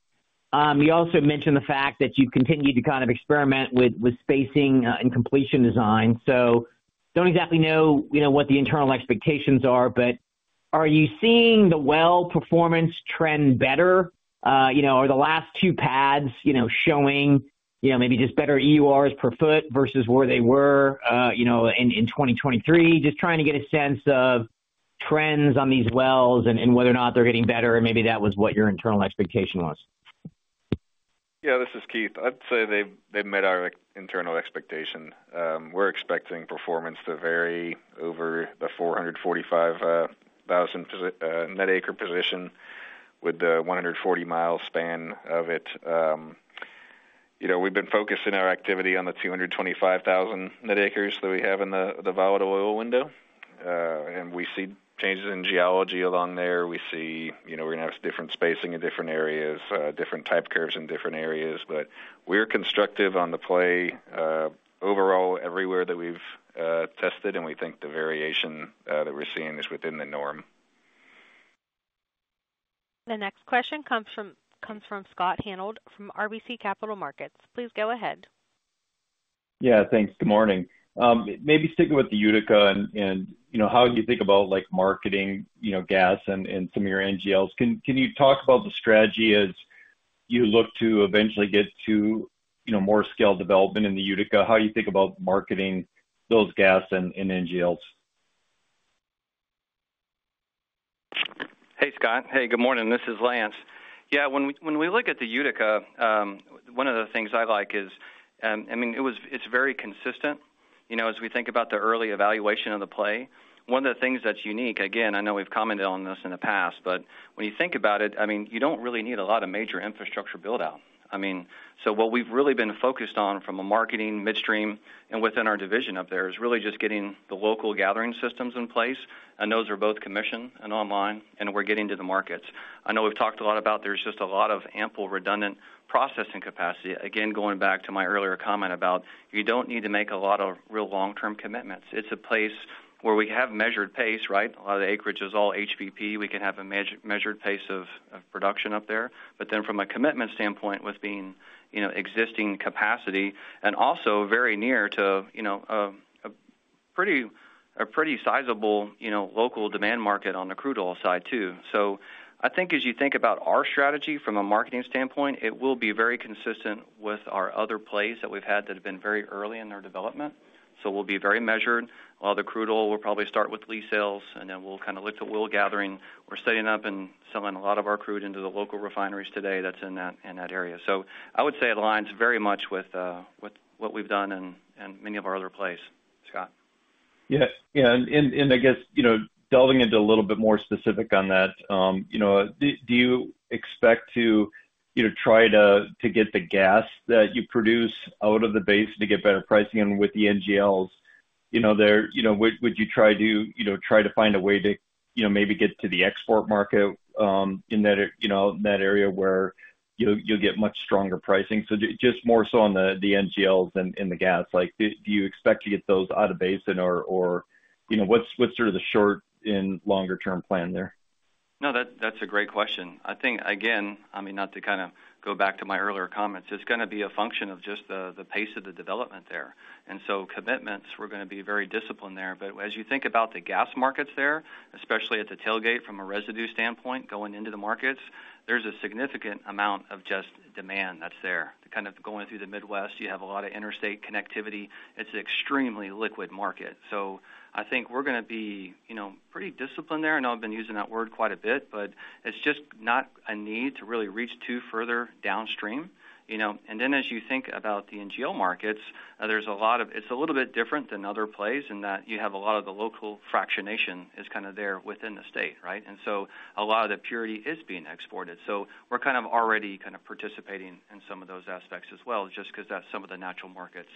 you also mentioned the fact that you've continued to kind of experiment with, with spacing, and completion design. So don't exactly know, you know, what the internal expectations are, but are you seeing the well performance trend better? You know, are the last two pads, you know, showing, you know, maybe just better EURs per foot versus where they were, you know, in 2023? Just trying to get a sense of trends on these wells and, and whether or not they're getting better, or maybe that was what your internal expectation was. Yeah, this is Keith. I'd say they've met our internal expectation. We're expecting performance to vary over the 445,000 net acre position with the 140-mile span of it. You know, we've been focused in our activity on the 225,000 net acres that we have in the volatile oil window. And we see changes in geology along there. We see, you know, we're going to have different spacing in different areas, different type curves in different areas. But we're constructive on the play overall, everywhere that we've tested, and we think the variation that we're seeing is within the norm. The next question comes from Scott Hanold from RBC Capital Markets. Please go ahead. Yeah, thanks. Good morning. Maybe sticking with the Utica and, you know, how you think about, like, marketing, you know, gas and some of your NGLs. Can you talk about the strategy as you look to eventually get to, you know, more scale development in the Utica? How you think about marketing those gas and NGLs? Hey, Scott. Hey, good morning. This is Lance. Yeah, when we look at the Utica, one of the things I like is, I mean, it's very consistent, you know, as we think about the early evaluation of the play. One of the things that's unique, again, I know we've commented on this in the past, but when you think about it, I mean, you don't really need a lot of major infrastructure build-out. I mean, so what we've really been focused on from a marketing, midstream and within our division up there, is really just getting the local gathering systems in place, and those are both commissioned and online, and we're getting to the markets. I know we've talked a lot about, there's just a lot of ample redundant processing capacity. Again, going back to my earlier comment about you don't need to make a lot of real long-term commitments. It's a place where we have measured pace, right? A lot of the acreage is all HBP. We can have a measured pace of production up there. But then from a commitment standpoint, with being, you know, existing capacity and also very near to, you know, a pretty sizable, you know, local demand market on the crude oil side, too. So I think as you think about our strategy from a marketing standpoint, it will be very consistent with our other plays that we've had that have been very early in their development. So we'll be very measured. A lot of the crude oil will probably start with lease sales, and then we'll kind of look to oil gathering. We're setting up and selling a lot of our crude into the local refineries today. That's in that, in that area. So I would say it aligns very much with what we've done in many of our other plays, Scott. Yeah. Yeah, and, and I guess, you know, delving into a little bit more specific on that, you know, do, do you expect to, you know, try to, to get the gas that you produce out of the basin to get better pricing in with the NGLs? You know, there you know, would, would you try to, you know, try to find a way to, you know, maybe get to the export market, in that, you know, that area where you'll, you'll get much stronger pricing? So just more so on the, the NGLs and, and the gas. Like, do, do you expect to get those out of basin or, or, you know, what's, what's sort of the short and longer-term plan there? No, that's a great question. I think, again, I mean, not to kind of go back to my earlier comments, it's going to be a function of just the pace of the development there. And so commitments, we're going to be very disciplined there. But as you think about the gas markets there, especially at the tailgate, from a residue standpoint, going into the markets, there's a significant amount of just demand that's there. Kind of going through the Midwest, you have a lot of interstate connectivity. It's an extremely liquid market. So I think we're going to be, you know, pretty disciplined there. I know I've been using that word quite a bit, but it's just not a need to really reach too far downstream, you know? And then as you think about the NGL markets, there's a lot of—it's a little bit different than other plays in that you have a lot of the local fractionation is kind of there within the state, right? And so a lot of the purity is being exported. So we're kind of already kind of participating in some of those aspects as well, just because that's some of the natural markets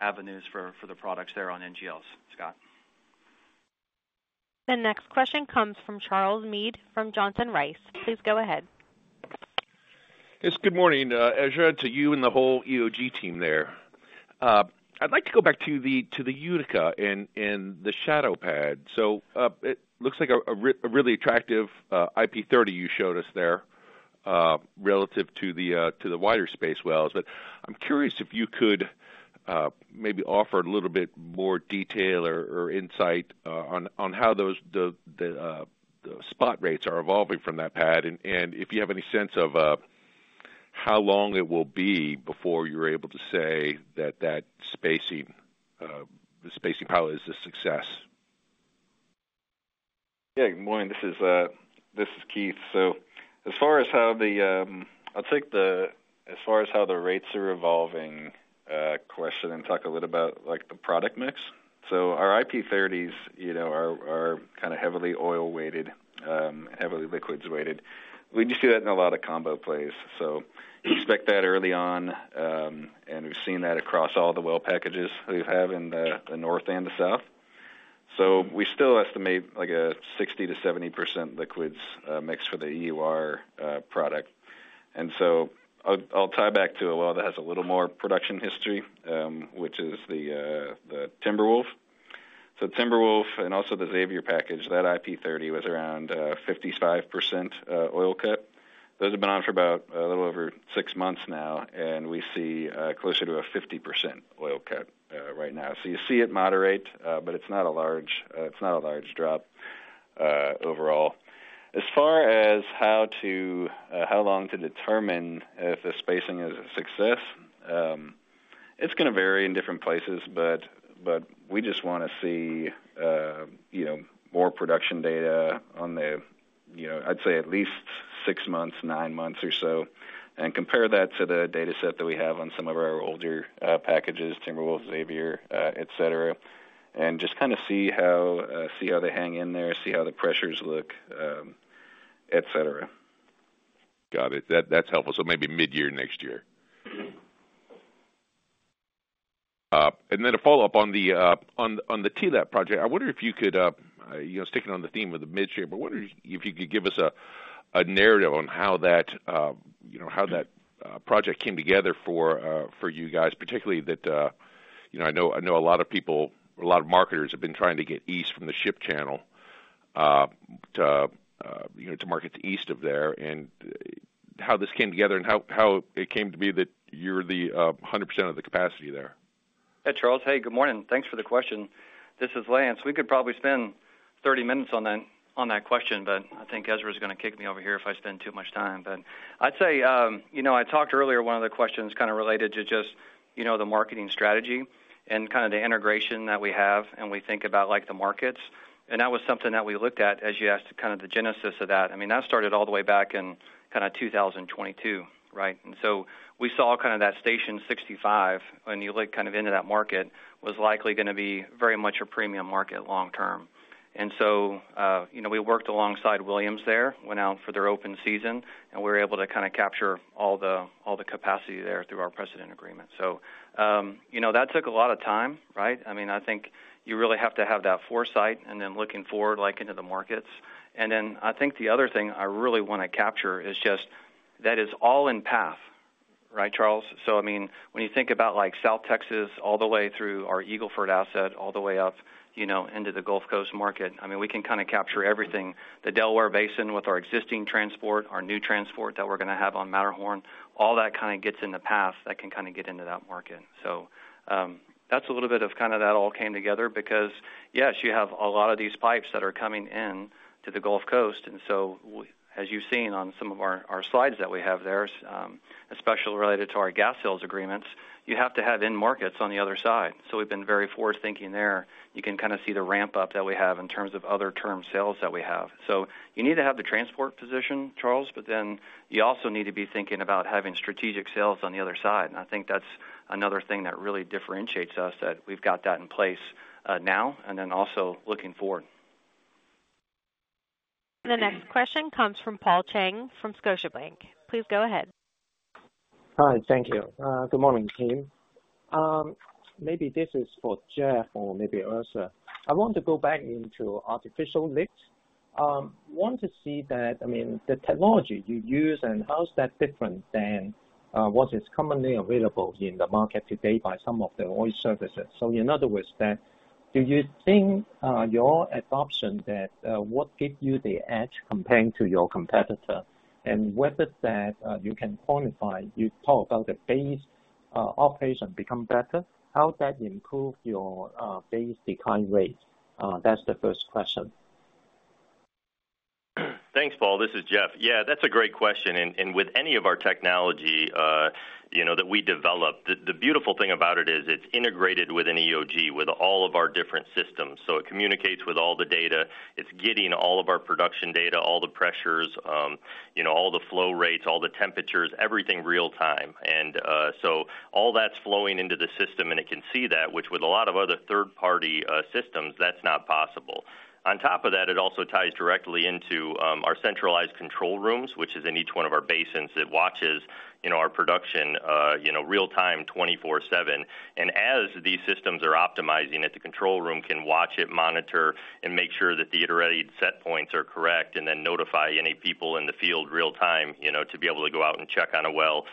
avenues for the products there on NGLs. Scott. The next question comes from Charles Meade from Johnson Rice. Please go ahead. Yes, good morning to you and the whole EOG team there. I'd like to go back to the Utica and the Shadow pad. So, it looks like a really attractive IP30 you showed us there, relative to the wider space wells. But I'm curious if you could maybe offer a little bit more detail or insight on how those spot rates are evolving from that pad, and if you have any sense of how long it will be before you're able to say that that spacing, the spacing probably is a success. Yeah, good morning. This is Keith. So as far as how the rates are evolving question and talk a little about, like, the product mix. So our IP30s, you know, are kind of heavily oil weighted, heavily liquids weighted. We just see that in a lot of combo plays. So expect that early on, and we've seen that across all the well packages we have in the north and the south. So we still estimate, like, a 60%-70% liquids mix for the EUR product. And so I'll tie back to a well that has a little more production history, which is the Timberwolf. So Timberwolf and also the Xavier package, that IP30 was around 55% oil cut. Those have been on for about a little over 6 months now, and we see closer to a 50% oil cut right now. So you see it moderate, but it's not a large, it's not a large drop overall. As far as how to, how long to determine if the spacing is a success, it's going to vary in different places, but, but we just want to see, you know, more production data on the, you know, I'd say at least 6 months, 9 months or so, and compare that to the data set that we have on some of our older packages, Timberwolf, Xavier, et cetera. And just kind of see how, see how they hang in there, see how the pressures look. Got it. That, that's helpful. So maybe midyear next year. And then a follow-up on the TLEP project. I wonder if you could, you know, sticking on the theme of the midyear, but wonder if you could give us a narrative on how that, you know, how that project came together for you guys, particularly that, you know, I know, I know a lot of people, a lot of marketers have been trying to get east from the Ship Channel, to, you know, to market the east of there, and how this came together and how it came to be that you're the 100% of the capacity there. Hey, Charles. Hey, good morning. Thanks for the question. This is Lance. We could probably spend 30 minutes on that, on that question, but I think Ezra is going to kick me over here if I spend too much time. But I'd say, you know, I talked earlier, one of the questions kind of related to just, you know, the marketing strategy and kind of the integration that we have, and we think about, like, the markets. And that was something that we looked at as you asked, kind of the genesis of that. I mean, that started all the way back in kind of 2022, right? And so we saw kind of that Station 65, when you look kind of into that market, was likely going to be very much a premium market long term. And so, you know, we worked alongside Williams there, went out for their open season, and we were able to kind of capture all the, all the capacity there through our precedent agreement. So, you know, that took a lot of time, right? I mean, I think you really have to have that foresight and then looking forward, like, into the markets. And then I think the other thing I really want to capture is just that is all in path, right, Charles? So, I mean, when you think about, like, South Texas, all the way through our Eagle Ford asset, all the way up, you know, into the Gulf Coast market, I mean, we can kind of capture everything. The Delaware Basin with our existing transport, our new transport that we're going to have on Matterhorn, all that kind of gets in the path that can kind of get into that market. So, that's a little bit of kind of that all came together because, yes, you have a lot of these pipes that are coming in to the Gulf Coast, and so, as you've seen on some of our slides that we have there, especially related to our gas sales agreements, you have to have end markets on the other side. So we've been very forward-thinking there. You can kind of see the ramp-up that we have in terms of other term sales that we have. So you need to have the transport position, Charles, but then you also need to be thinking about having strategic sales on the other side. I think that's another thing that really differentiates us, that we've got that in place, now, and then also looking forward. The next question comes from Paul Cheng from Scotiabank. Please go ahead. Hi, thank you. Good morning, team. Maybe this is for Jeff or maybe Ezra. I want to go back into artificial lift. Want to see that, I mean, the technology you use and how is that different than what is commonly available in the market today by some of the oil services? So in other words, that do you think your adoption, that what gives you the edge comparing to your competitor? And whether that you can quantify, you talk about the base operation become better, how does that improve your base decline rate? That's the first question. Thanks, Paul. This is Jeff. Yeah, that's a great question. With any of our technology, you know, that we develop, the beautiful thing about it is it's integrated within EOG with all of our different systems. So it communicates with all the data. It's getting all of our production data, all the pressures, you know, all the flow rates, all the temperatures, everything real time. So all that's flowing into the system, and it can see that, which with a lot of other third-party systems, that's not possible. On top of that, it also ties directly into our centralized control rooms, which is in each one of our basins. It watches, you know, our production, you know, real-time 24/7. As these systems are optimizing it, the control room can watch it, monitor, and make sure that the already set points are correct, and then notify any people in the field real time, you know, to be able to go out and check on a well,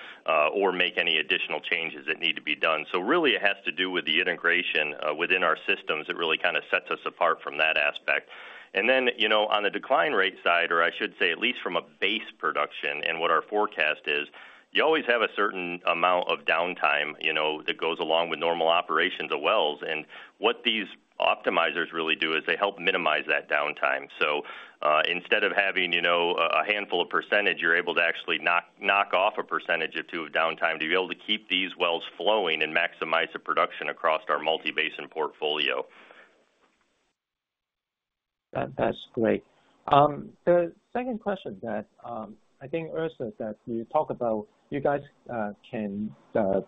or make any additional changes that need to be done. So really, it has to do with the integration within our systems. It really kind of sets us apart from that aspect. Then, you know, on the decline rate side, or I should say, at least from a base production and what our forecast is, you always have a certain amount of downtime, you know, that goes along with normal operations of wells. What these optimizers really do is they help minimize that downtime. So, instead of having, you know, a handful of percentage, you're able to actually knock off a percentage or two of downtime to be able to keep these wells flowing and maximize the production across our multi-basin portfolio. That, that's great. The second question that I think, Ezra, that you guys can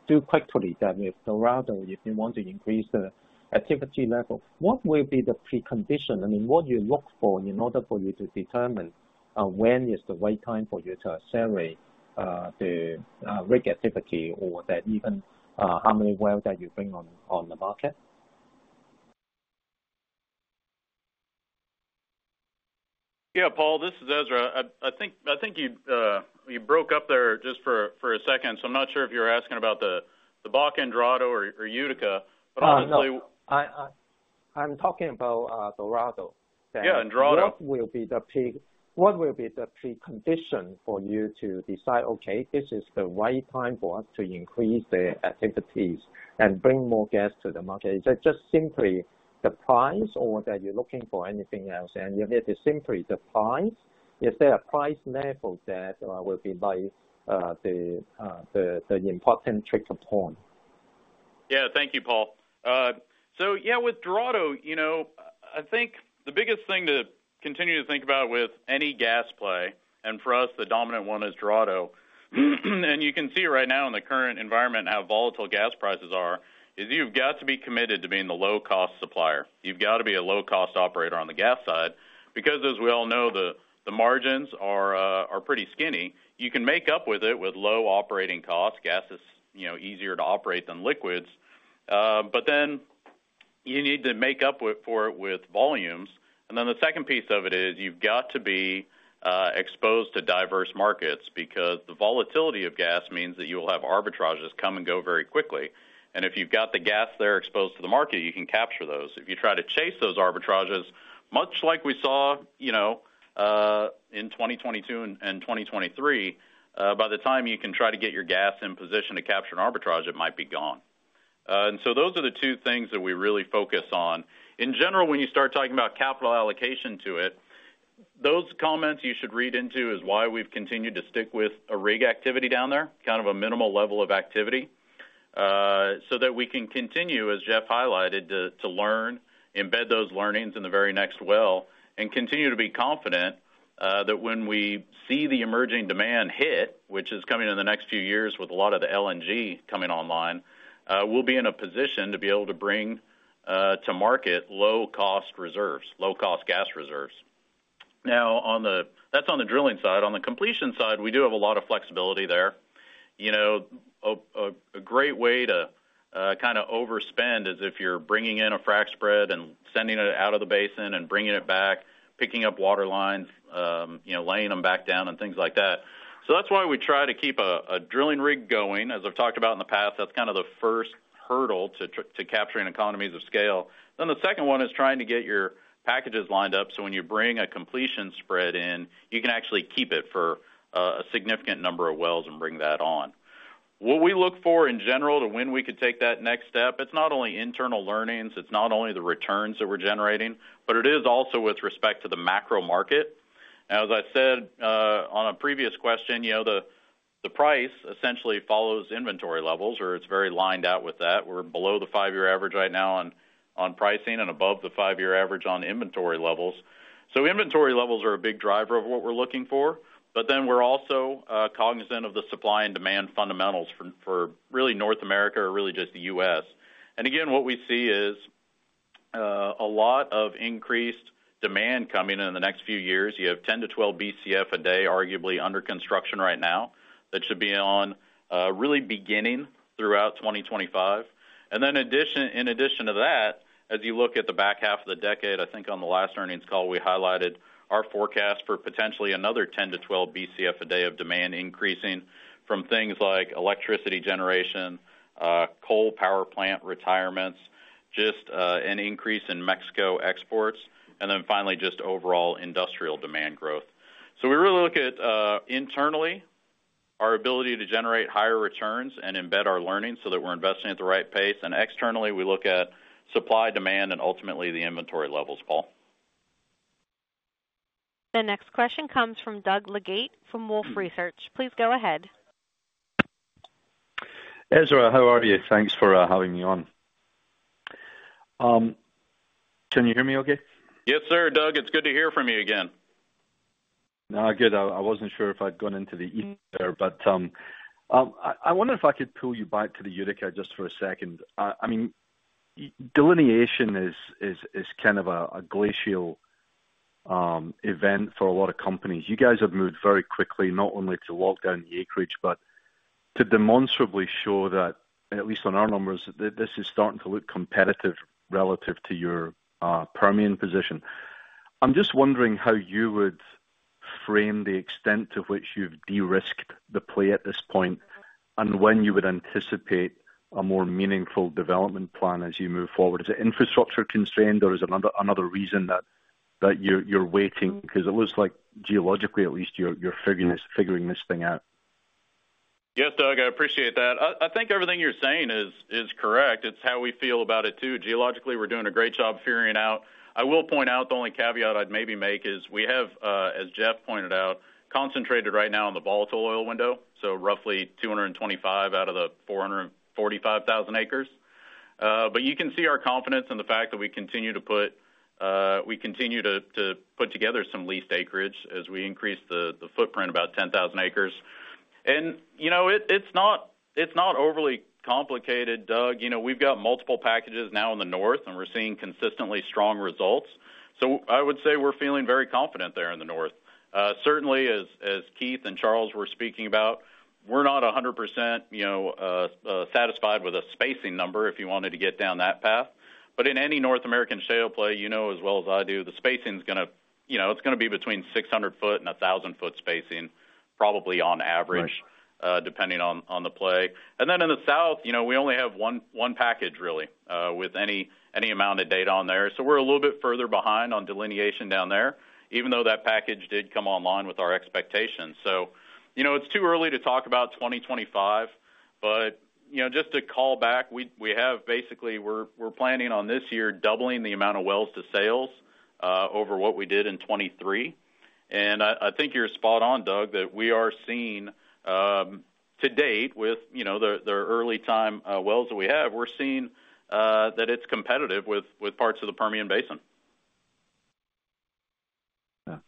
do quickly then if Dorado, if you want to increase the activity level, what will be the precondition? I mean, what do you look for in order for you to determine when is the right time for you to accelerate the rig activity, or that even how many wells that you bring on the market? Yeah, Paul, this is Ezra. I think you broke up there just for a second, so I'm not sure if you're asking about the Bakken, Dorado, or Utica, but obviously- No, I'm talking about Dorado. Yeah, Dorado. What will be the precondition for you to decide, okay, this is the right time for us to increase the activities and bring more gas to the market? Is that just simply the price, or that you're looking for anything else, and if it is simply the price, is there a price level that will be like the important trigger point? Yeah, thank you, Paul. So yeah, with Dorado, you know, I think the biggest thing to continue to think about with any gas play, and for us, the dominant one is Dorado. And you can see right now in the current environment, how volatile gas prices are, is you've got to be committed to being the low-cost supplier. You've got to be a low-cost operator on the gas side, because as we all know, the margins are pretty skinny. You can make up for it with low operating costs. Gas is, you know, easier to operate than liquids, but then you need to make up for it with volumes. And then the second piece of it is, you've got to be exposed to diverse markets because the volatility of gas means that you will have arbitrages come and go very quickly. If you've got the gas there exposed to the market, you can capture those. If you try to chase those arbitrages, much like we saw, you know, in 2022 and 2023, by the time you can try to get your gas in position to capture an arbitrage, it might be gone. So those are the two things that we really focus on. In general, when you start talking about capital allocation to it, those comments you should read into is why we've continued to stick with a rig activity down there, kind of a minimal level of activity, so that we can continue, as Jeff highlighted, to learn, embed those learnings in the very next well, and continue to be confident, that when we see the emerging demand hit, which is coming in the next few years with a lot of the LNG coming online, we'll be in a position to be able to bring to market low-cost reserves, low-cost gas reserves. Now, on the—that's on the drilling side. On the completion side, we do have a lot of flexibility there. You know, a great way to kind of overspend is if you're bringing in a frac spread and sending it out of the basin and bringing it back, picking up water lines, you know, laying them back down and things like that. So that's why we try to keep a drilling rig going. As I've talked about in the past, that's kind of the first hurdle to capturing economies of scale. Then the second one is trying to get your packages lined up, so when you bring a completion spread in, you can actually keep it for a significant number of wells and bring that on. What we look for in general to when we could take that next step, it's not only internal learnings, it's not only the returns that we're generating, but it is also with respect to the macro market. As I said, on a previous question, you know, the, the price essentially follows inventory levels, or it's very lined out with that. We're below the five-year average right now on, on pricing and above the five-year average on inventory levels. So inventory levels are a big driver of what we're looking for, but then we're also, cognizant of the supply and demand fundamentals for, for really North America, or really just the U.S. And again, what we see is, a lot of increased demand coming in the next few years. You have 10-12 Bcf a day, arguably under construction right now. That should be on, really beginning throughout 2025. In addition to that, as you look at the back half of the decade, I think on the last earnings call, we highlighted our forecast for potentially another 10-12 Bcf a day of demand increasing from things like electricity generation, coal power plant retirements, just an increase in Mexico exports, and then finally, just overall industrial demand growth. So we really look at, internally, our ability to generate higher returns and embed our learnings so that we're investing at the right pace. And externally, we look at supply, demand, and ultimately, the inventory levels, Paul. The next question comes from Doug Leggate from Wolfe Research. Please go ahead. Ezra, how are you? Thanks for having me on. Can you hear me okay? Yes, sir, Doug, it's good to hear from you again. No, good. I, I wasn't sure if I'd gone into the ether, but, I, I wonder if I could pull you back to the Utica just for a second. I mean, delineation is kind of a glacial event for a lot of companies. You guys have moved very quickly, not only to lock down the acreage, but to demonstrably show that, at least on our numbers, this is starting to look competitive relative to your Permian position. I'm just wondering how you would frame the extent to which you've de-risked the play at this point, and when you would anticipate a more meaningful development plan as you move forward. Is it infrastructure constrained, or is another reason that you're waiting? Because it looks like geologically, at least, you're figuring this thing out. Yes, Doug, I appreciate that. I think everything you're saying is correct. It's how we feel about it, too. Geologically, we're doing a great job figuring it out. I will point out, the only caveat I'd maybe make is: we have, as Jeff pointed out, concentrated right now on the volatile oil window, so roughly 225 out of the 445,000 acres. But you can see our confidence in the fact that we continue to put together some leased acreage as we increase the footprint about 10,000 acres. And, you know, it's not overly complicated, Doug. You know, we've got multiple packages now in the north, and we're seeing consistently strong results. So I would say we're feeling very confident there in the north. Certainly, as Keith and Charles were speaking about, we're not 100%, you know, satisfied with a spacing number, if you wanted to get down that path. But in any North American shale play, you know as well as I do, the spacing is gonna, you know, it's gonna be between 600-foot and 1,000-foot spacing, probably on average- Right. Depending on, on the play. And then in the south, you know, we only have one, one package really, with any, any amount of data on there. So we're a little bit further behind on delineation down there, even though that package did come online with our expectations. So, you know, it's too early to talk about 2025, but, you know, just to call back, we, we have basically, we're, we're planning on this year, doubling the amount of wells to sales, over what we did in 2023. And I, I think you're spot on, Doug, that we are seeing, to date, with, you know, the, the early time, wells that we have, we're seeing, that it's competitive with, with parts of the Permian Basin.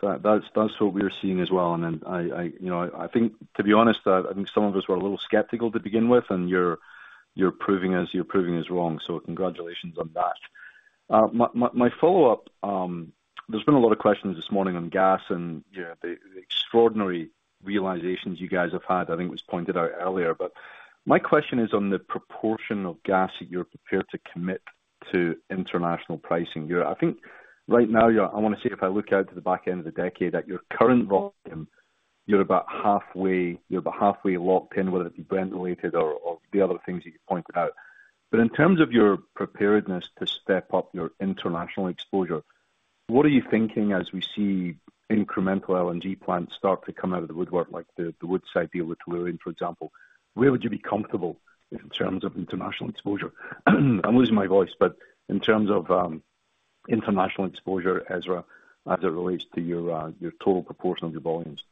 Yeah, that's what we're seeing as well. And then, you know, I think to be honest, some of us were a little skeptical to begin with, and you're proving us wrong, so congratulations on that. My follow-up, there's been a lot of questions this morning on gas and, yeah, the extraordinary realizations you guys have had, I think it was pointed out earlier. But my question is on the proportion of gas that you're prepared to commit to international pricing. You know, I think right now, yeah, I want to see if I look out to the back end of the decade, at your current volume, you're about halfway locked in, whether it be Brent related or the other things you pointed out. But in terms of your preparedness to step up your international exposure, what are you thinking as we see incremental LNG plants start to come out of the woodwork, like the Woodside deal with Tellurian, for example? Where would you be comfortable in terms of international exposure? I'm losing my voice, but in terms of international exposure, Ezra, as it relates to your your total proportion of your volumes.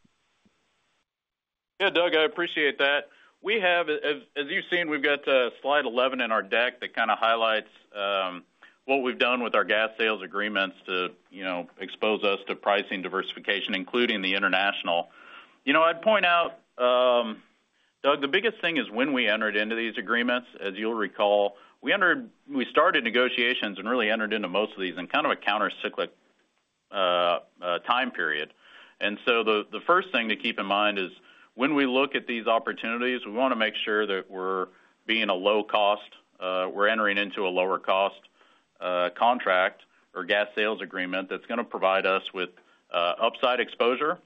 Yeah, Doug, I appreciate that. We have, as you've seen, we've got Slide 11 in our deck that kind of highlights what we've done with our gas sales agreements to, you know, expose us to pricing diversification, including the international. You know, I'd point out, Doug, the biggest thing is when we entered into these agreements, as you'll recall, we entered, we started negotiations and really entered into most of these in kind of a countercyclical time period. And so the first thing to keep in mind is, when we look at these opportunities, we want to make sure that we're being a low cost, we're entering into a lower cost contract or gas sales agreement that's going to provide us with upside exposure.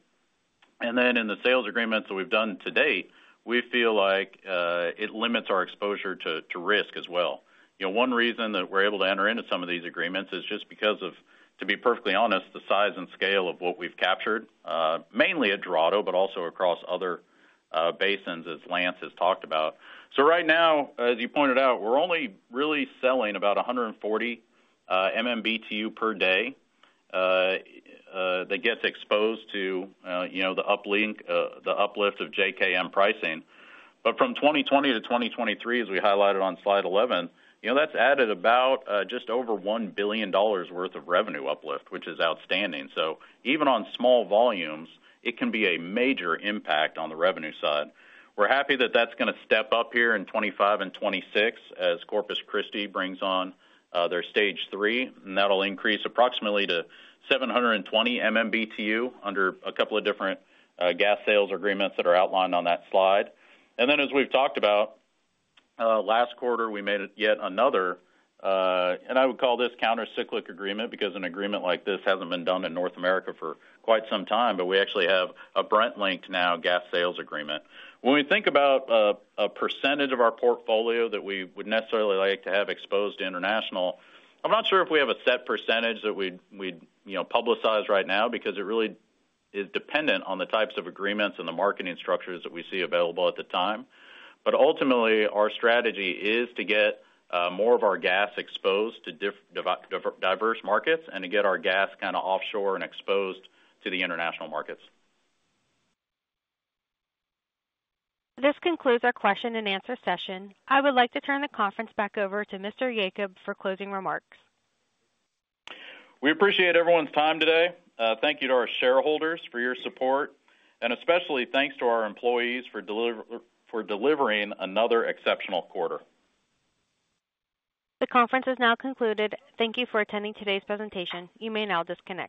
In the sales agreements that we've done to date, we feel like, it limits our exposure to, to risk as well. You know, one reason that we're able to enter into some of these agreements is just because of, to be perfectly honest, the size and scale of what we've captured, mainly at Dorado, but also across other, basins, as Lance has talked about. So right now, as you pointed out, we're only really selling about 140,000 MMBtu per day, that gets exposed to, you know, the uplift of JKM pricing. But from 2020 to 2023, as we highlighted on Slide 11, you know, that's added about, just over $1 billion worth of revenue uplift, which is outstanding. So even on small volumes, it can be a major impact on the revenue side. We're happy that that's going to step up here in 2025 and 2026 as Corpus Christi brings on their Stage 3, and that'll increase approximately to 720,000 MMBtu under a couple of different gas sales agreements that are outlined on that slide. And then, as we've talked about last quarter, we made it yet another, and I would call this countercyclical agreement, because an agreement like this hasn't been done in North America for quite some time, but we actually have a Brent linked now gas sales agreement. When we think about a percentage of our portfolio that we would necessarily like to have exposed to international, I'm not sure if we have a set percentage that we'd, you know, publicize right now because it really is dependent on the types of agreements and the marketing structures that we see available at the time. But ultimately, our strategy is to get more of our gas exposed to diverse markets and to get our gas kind of offshore and exposed to the international markets. This concludes our question and answer session. I would like to turn the conference back over to Mr. Yacob for closing remarks. We appreciate everyone's time today. Thank you to our shareholders for your support, and especially thanks to our employees for delivering another exceptional quarter. The conference is now concluded. Thank you for attending today's presentation. You may now disconnect.